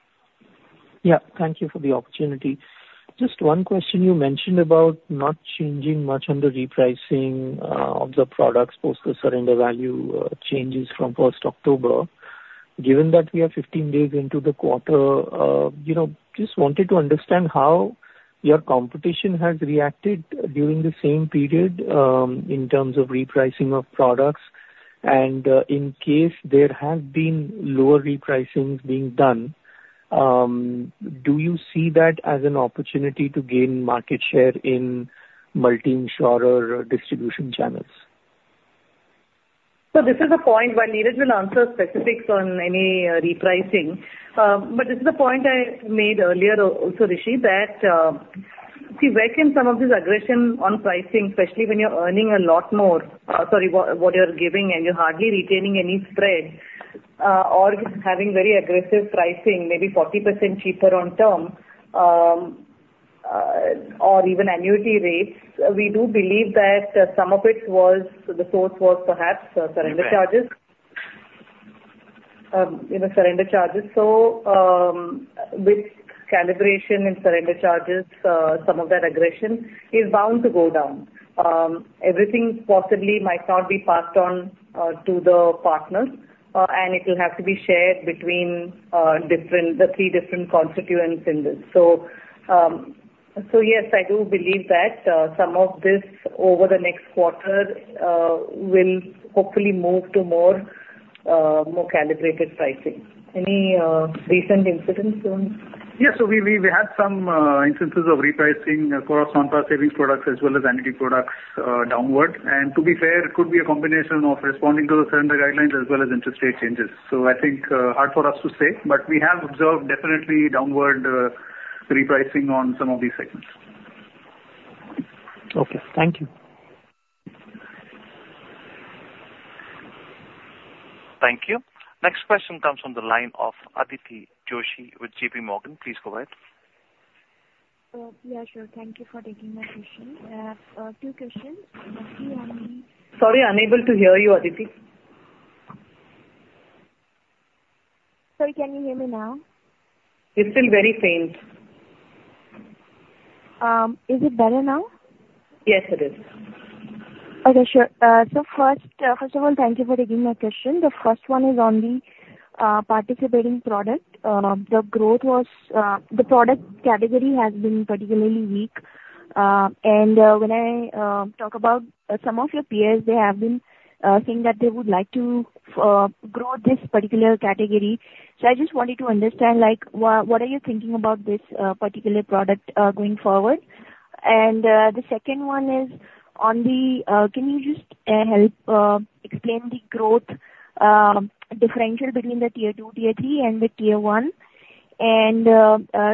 Yeah, thank you for the opportunity. Just one question, you mentioned about not changing much on the repricing, of the products post the surrender value, changes from 1, October. Given that we are fifteen days into the quarter, you know, just wanted to understand how your competition has reacted during the same period, in terms of repricing of products, and in case there has been lower repricing being done, do you see that as an opportunity to gain market share in multi-insurer distribution channels? So this is a point, while Neeraj will answer specifics on any repricing, but this is a point I made earlier also, Rishi, that, see where can some of this aggression on pricing, especially when you're earning a lot more... Sorry, what you're giving, and you're hardly retaining any spread, or having very aggressive pricing, maybe 40% cheaper on term, or even annuity rates. We do believe that some of it was, the source was perhaps, surrender charges. You know, surrender charges. So, with calibration and surrender charges, some of that aggression is bound to go down. Everything possibly might not be passed on, to the partners, and it will have to be shared between, different, the three different constituents in this. So, yes, I do believe that some of this over the next quarter will hopefully move to more calibrated pricing. Any recent incidents on? Yeah. So we had some instances of repricing across non-par saving products as well as annuity products downward. And to be fair, it could be a combination of responding to the surrender guidelines as well as interest rate changes. So I think hard for us to say, but we have observed definitely downward repricing on some of these segments. Okay, thank you. Thank you. Next question comes from the line of Aditi Joshi with J.P. Morgan. Please go ahead. Yeah, sure. Thank you for taking my question. Two questions. One on- Sorry, unable to hear you, Aditi. Sorry, can you hear me now? You're still very faint.... Is it better now? Yes, it is. Okay, sure. So first of all, thank you for taking my question. The first one is on the participating product. The growth was, the product category has been particularly weak. And when I talk about some of your peers, they have been saying that they would like to grow this particular category. So I just wanted to understand, like, what are you thinking about this particular product going forward? And the second one is on the: can you just help explain the growth differential between the Tier two, Tier three, and the Tier one?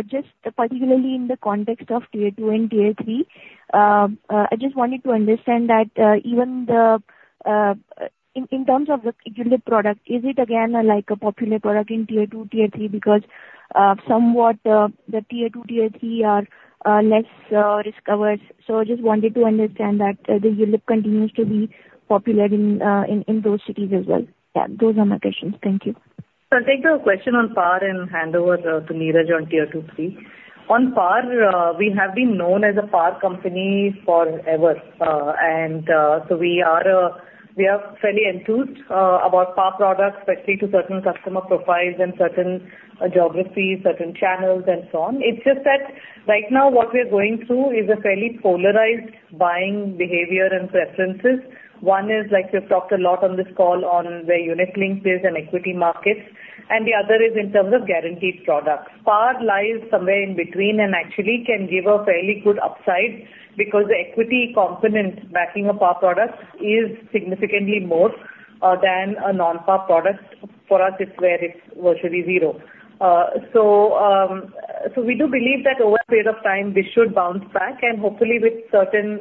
Just particularly in the context of Tier 2 and Tier 3, I just wanted to understand that even in terms of the ULIP product, is it again like a popular product in Tier 2, Tier 3? Because, somewhat, the Tier 2, Tier 3 are less discovered. So I just wanted to understand that the ULIP continues to be popular in those cities as well. Yeah, those are my questions. Thank you. I'll take the question on PAR and hand over to Neeraj on Tier two, three. On PAR, we have been known as a PAR company forever. And so we are fairly enthused about PAR products, especially to certain customer profiles and certain geographies, certain channels, and so on. It's just that right now what we're going through is a fairly polarized buying behavior and preferences. One is, like we've talked a lot on this call on the unit-linked in equity markets, and the other is in terms of guaranteed products. PAR lies somewhere in between and actually can give a fairly good upside, because the equity component backing a PAR product is significantly more than a non-PAR product. For us, it's where it's virtually zero. So we do believe that over a period of time, this should bounce back, and hopefully with certain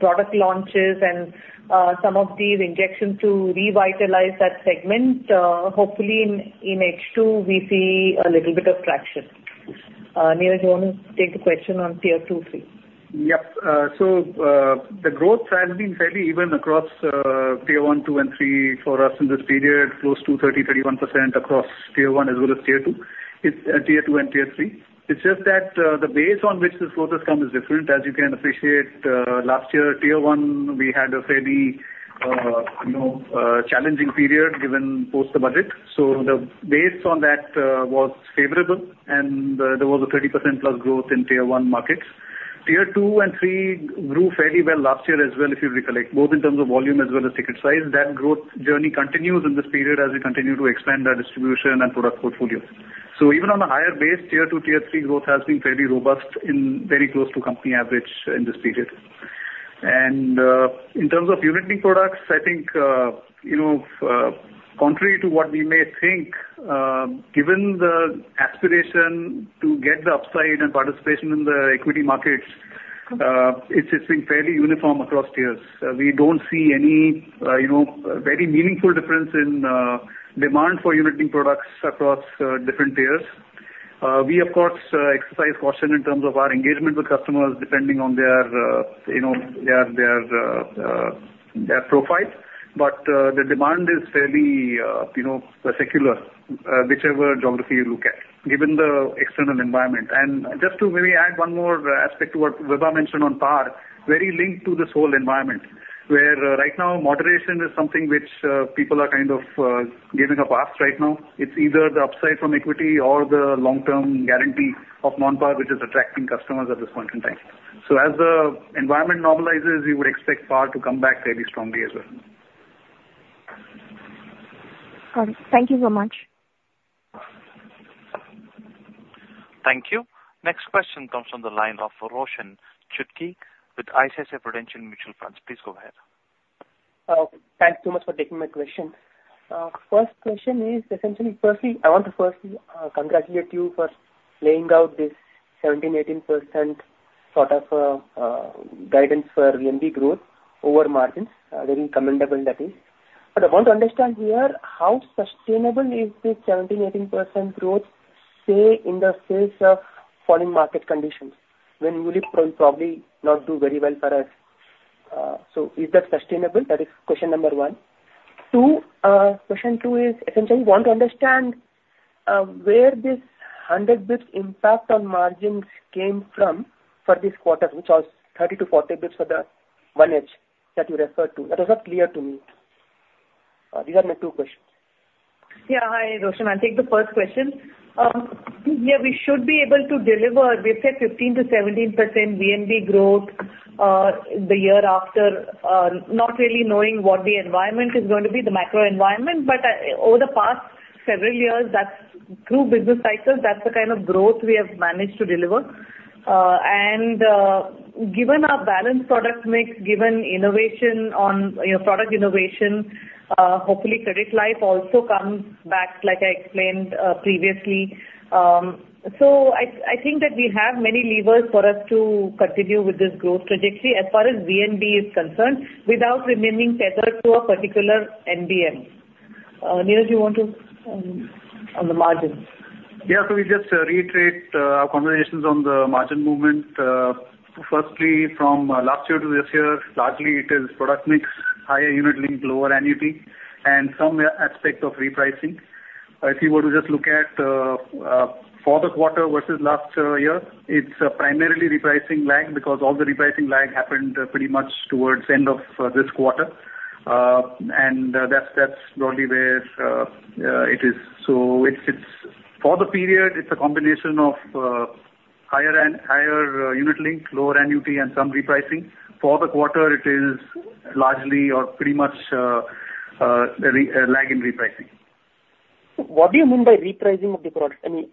product launches and some of these injections to revitalize that segment, hopefully in H2, we see a little bit of traction. Neeraj, you want to take the question on Tier two, three? Yep. So, the growth has been fairly even across Tier 1, 2, and 3 for us in this period, close to 30-31% across Tier 1 as well as Tier 2. It's Tier 2 and Tier 3. It's just that, the base on which this growth has come is different. As you can appreciate, last year, Tier 1, we had a fairly, you know, challenging period given post the budget. So the base on that was favorable, and there was a 30% plus growth in Tier 1 markets. Tier 2 and 3 grew fairly well last year as well, if you recollect, both in terms of volume as well as ticket size. That growth journey continues in this period as we continue to expand our distribution and product portfolio. So even on a higher base, Tier 2, Tier 3 growth has been fairly robust and very close to company average in this period. And in terms of unit-linked products, I think, you know, contrary to what we may think, given the aspiration to get the upside and participation in the equity markets, it's been fairly uniform across tiers. We don't see any, you know, very meaningful difference in demand for unit-linked products across different tiers. We of course exercise caution in terms of our engagement with customers, depending on their, you know, their profile. But the demand is fairly, you know, secular, whichever geography you look at, given the external environment. And just to maybe add one more aspect to what Vibha mentioned on PAR, very linked to this whole environment, where right now moderation is something which people are kind of giving a pass right now. It's either the upside from equity or the long-term guarantee of non-PAR, which is attracting customers at this point in time. So as the environment normalizes, you would expect PAR to come back fairly strongly as well. Got it. Thank you so much. Thank you. Next question comes from the line of Roshan Chutkey with ICICI Prudential Mutual Fund. Please go ahead. Thanks so much for taking my question. First question is essentially, firstly, I want to congratulate you for laying out this 17%-18% sort of guidance for VNB growth over margins. Very commendable, that is. But I want to understand here, how sustainable is this 17%-18% growth, say, in the face of falling market conditions, when ULIP will probably not do very well for us? So is that sustainable? That is question number one. Two, question two is, essentially, we want to understand, where this 100 basis points impact on margins came from for this quarter, which was 30-40 basis points for the non-par that you referred to. That was not clear to me. These are my two questions. Yeah. Hi, Roshan. I'll take the first question. Yeah, we should be able to deliver. We said 15-17% VNB growth the year after, not really knowing what the environment is going to be, the macro environment. But over the past several years, that's through business cycles, that's the kind of growth we have managed to deliver. And given our balanced product mix, given innovation on, you know, product innovation, hopefully, credit life also comes back, like I explained previously. So I think that we have many levers for us to continue with this growth trajectory as far as VNB is concerned, without remaining tethered to a particular NBM. Neeraj, do you want to on the margins? Yeah. So we just reiterate our conversations on the margin movement. So firstly, from last year to this year, largely it is product mix, higher unit link, lower annuity, and some aspect of repricing. If you were to just look at for the quarter versus last year, it's primarily repricing lag, because all the repricing lag happened pretty much towards end of this quarter. And that's broadly where it is. So it's for the period, it's a combination of higher unit link, lower annuity and some repricing. For the quarter, it is largely or pretty much repricing lag. What do you mean by repricing of the product? I mean,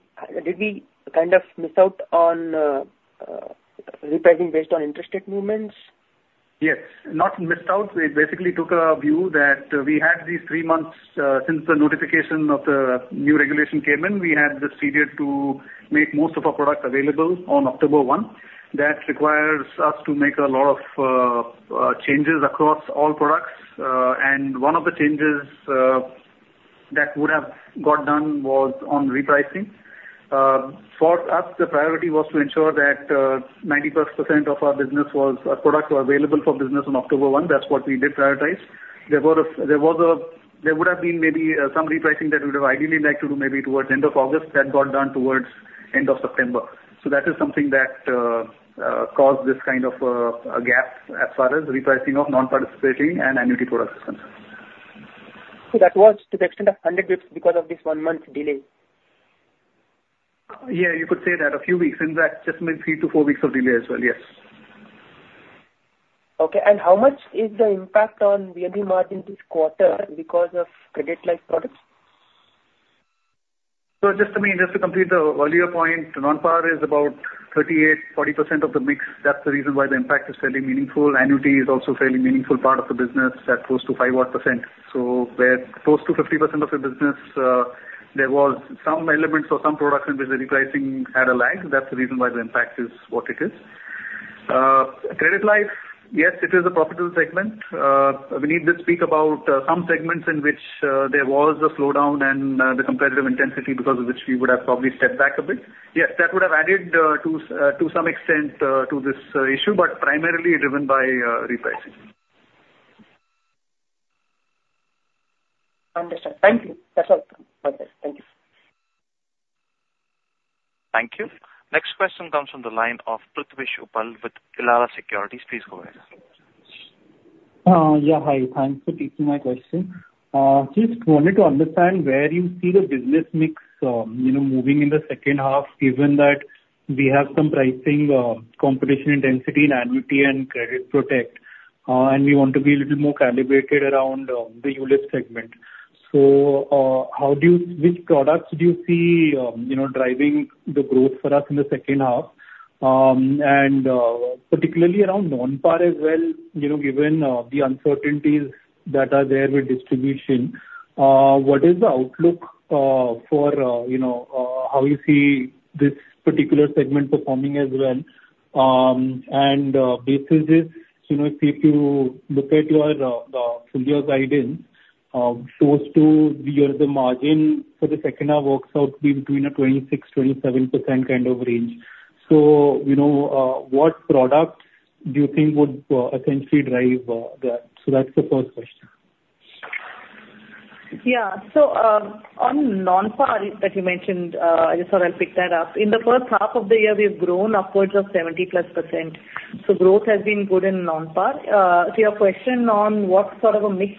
did we kind of miss out on repricing based on interest rate movements? Yes. Not missed out. We basically took a view that we had these three months since the notification of the new regulation came in. We had this period to make most of our product available on October 1. That requires us to make a lot of changes across all products. And one of the changes that would have got done was on repricing. For us, the priority was to ensure that 90-plus% of our business was products were available for business on October 1. That's what we did prioritize. There would have been maybe some repricing that we would have ideally liked to do, maybe towards end of August, that got done towards end of September. So that is something that caused this kind of a gap as far as repricing of non-participating and annuity products is concerned. So that was to the extent of 100 basis points because of this one month delay? Yeah, you could say that. A few weeks. In fact, just maybe three to four weeks of delay as well. Yes. Okay. And how much is the impact on VNB margin this quarter because of credit life products? So just to me, just to complete the earlier point, non-par is about 38-40% of the mix. That's the reason why the impact is fairly meaningful. Annuity is also a fairly meaningful part of the business. That's close to 5 odd percent. So where close to 50% of the business, there was some elements or some products in which the repricing had a lag. That's the reason why the impact is what it is. Credit life, yes, it is a profitable segment. We need to speak about some segments in which there was a slowdown and the competitive intensity because of which we would have probably stepped back a bit. Yes, that would have added to some extent to this issue, but primarily driven by repricing. Understood. Thank you. That's all. Okay. Thank you. Thank you. Next question comes from the line of Prithvi Srivastava with Elara Securities. Please go ahead. Yeah, hi. Thanks for taking my question. Just wanted to understand where you see the business mix, you know, moving in the second half, given that we have some pricing competition intensity in annuity and Credit Protect, and we want to be a little more calibrated around the ULIP segment. So, how do you, which products do you see, you know, driving the growth for us in the second half? And, particularly around non-par as well, you know, given the uncertainties that are there with distribution, what is the outlook for, you know, how you see this particular segment performing as well? Basis is, you know, if you look at your full year guidance, close to where the margin for the second half works out to be between 26-27% kind of range. You know, what products do you think would essentially drive that? That's the first question. Yeah. So, on non-par that you mentioned, I just thought I'd pick that up. In the first half of the year, we've grown upwards of 70+%. So growth has been good in non-par. So your question on what sort of a mix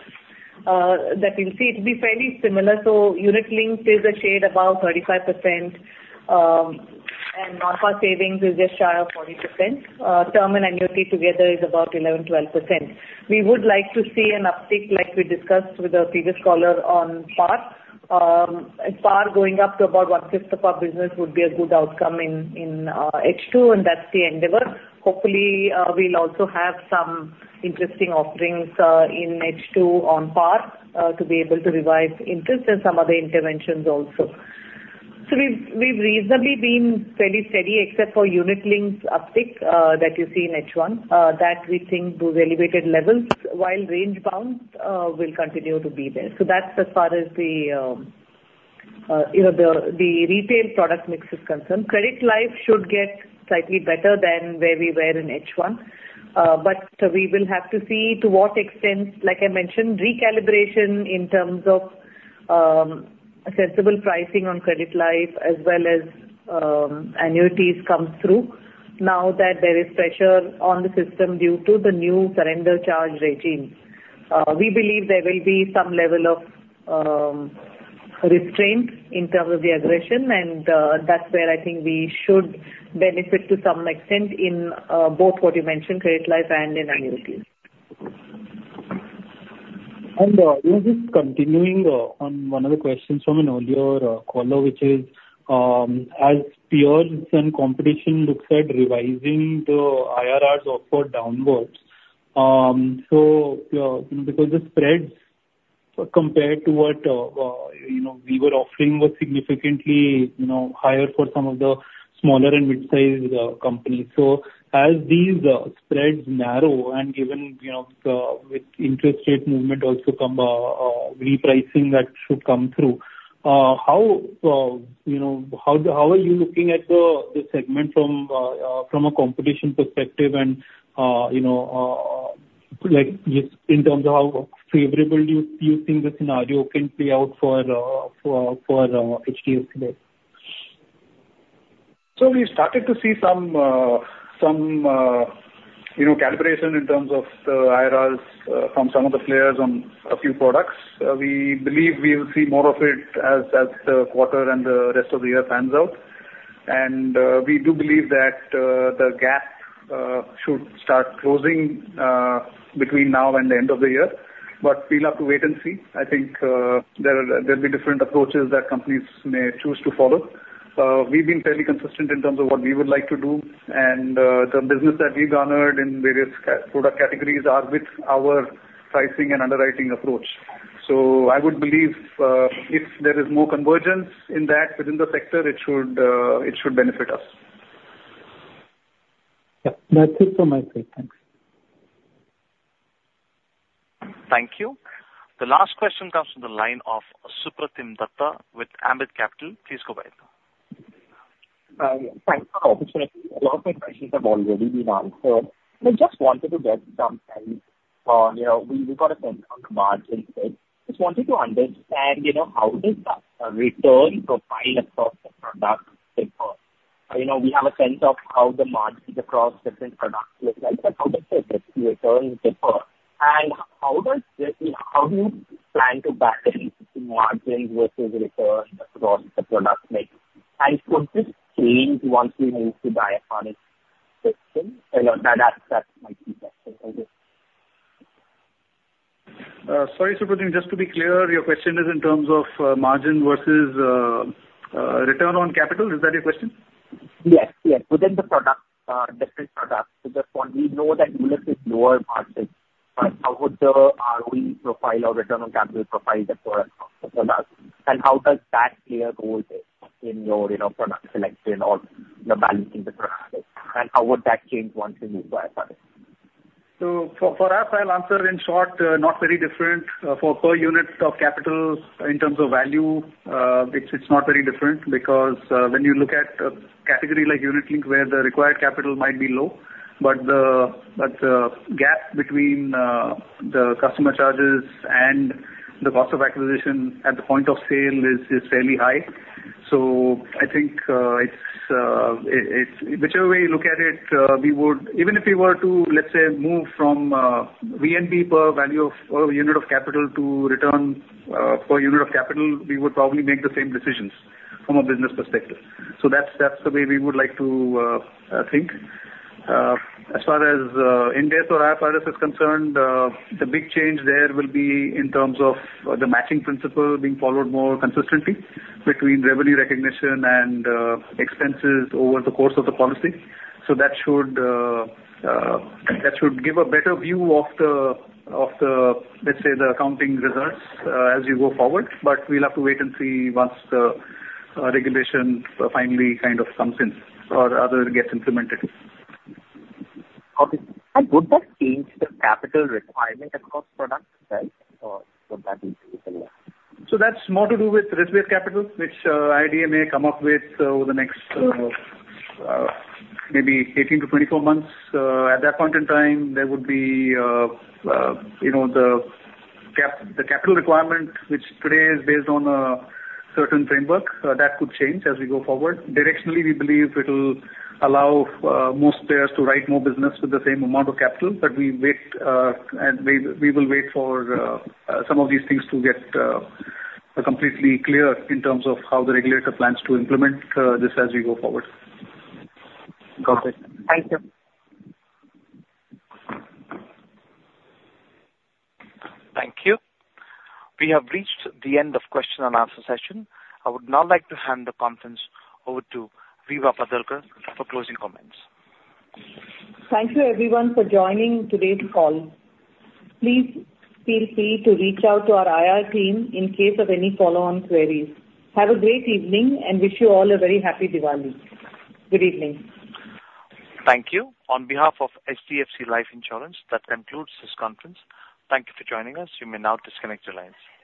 that we'll see, it'll be fairly similar. So unit link is a shade above 35%, and non-par savings is just shy of 40%. Term and annuity together is about 11-12%. We would like to see an uptick, like we discussed with the previous caller on par. And par going up to about one-fifth of our business would be a good outcome in H2, and that's the endeavor. Hopefully, we'll also have some interesting offerings in H2 on par to be able to revise interest and some other interventions also. So we've reasonably been fairly steady, except for unit links uptick that you see in H1. That we think those elevated levels, while range bounds, will continue to be there. So that's as far as the you know, the retail product mix is concerned. Credit life should get slightly better than where we were in H1. But we will have to see to what extent, like I mentioned, recalibration in terms of sensible pricing on credit life as well as annuities come through now that there is pressure on the system due to the new surrender charge regime. We believe there will be some level of restraint in terms of the aggression, and that's where I think we should benefit to some extent in both what you mentioned, credit life and in annuities. Just continuing on one of the questions from an earlier caller, which is, as peers and competition looks at revising the IRRs upward downwards, so, because the spreads compared to what, you know, we were offering was significantly, you know, higher for some of the smaller and mid-sized companies. So as these spreads narrow and given, you know, the, with interest rate movement also come repricing that should come through. How, you know, how, how are you looking at the, the segment from, from a competition perspective and, you know, like, just in terms of how favorable do you, you think the scenario can play out for, for, for, HDFC Life? So we started to see some, you know, calibration in terms of the IRRs from some of the players on a few products. We believe we will see more of it as the quarter and the rest of the year pans out. And we do believe that the gap should start closing between now and the end of the year, but we'll have to wait and see. I think there'll be different approaches that companies may choose to follow. We've been fairly consistent in terms of what we would like to do, and the business that we've garnered in various product categories are with our pricing and underwriting approach. So I would believe if there is more convergence in that within the sector, it should benefit us. Yeah, that's it from my side. Thanks. Thank you. The last question comes from the line of Supratim Datta with Ambit Capital. Please go ahead. Yeah, thanks for the opportunity. A lot of my questions have already been answered. I just wanted to get some sense on, you know, we got a sense on the margin side. Just wanted to understand, you know, how does the return profile across the products differ? You know, we have a sense of how the margins across different products looks like, but how does the risk returns differ? And how does this... How do you plan to balance margins versus returns across the product mix? And could this change once we move to IFRS 17? You know, that's my key question. Over. Sorry, Supratim, just to be clear, your question is in terms of margin versus return on capital? Is that your question? Yes, yes. Within the product, different products. Because what we know that unit link is lower margins, but how would the ROE profile or return on capital profile differ across the products? And how does that play a role there in your, you know, product selection or the balancing the products? And how would that change once you move to IFRS? So for us, I'll answer in short, not very different. For per unit of capital in terms of value, it's not very different because when you look at a category like unit link, where the required capital might be low, but the gap between the customer charges and the cost of acquisition at the point of sale is fairly high. So I think it's whichever way you look at it, we would. Even if we were to, let's say, move from VNB per value of or unit of capital to return per unit of capital, we would probably make the same decisions from a business perspective. So that's the way we would like to think. As far as Ind AS or IFRS is concerned, the big change there will be in terms of the matching principle being followed more consistently between revenue recognition and expenses over the course of the policy. So that should give a better view of the accounting results, let's say, as you go forward. But we'll have to wait and see once the regulation finally kind of comes in or rather gets implemented. Okay. And would that change the capital requirement across products, right? Or would that be the same? So that's more to do with risk-based capital, which IRDA may come up with over the next maybe 18 to 24 months. At that point in time, there would be you know the capital requirement, which today is based on a certain framework that could change as we go forward. Directionally, we believe it'll allow most players to write more business with the same amount of capital, but we wait and we will wait for some of these things to get completely clear in terms of how the regulator plans to implement this as we go forward. Got it. Thank you. Thank you. We have reached the end of question and answer session. I would now like to hand the conference over to Vibha Padalkar for closing comments. Thank you, everyone, for joining today's call. Please feel free to reach out to our IR team in case of any follow-on queries. Have a great evening, and wish you all a very happy Diwali. Good evening. Thank you. On behalf of HDFC Life Insurance, that concludes this conference. Thank you for joining us. You may now disconnect your lines.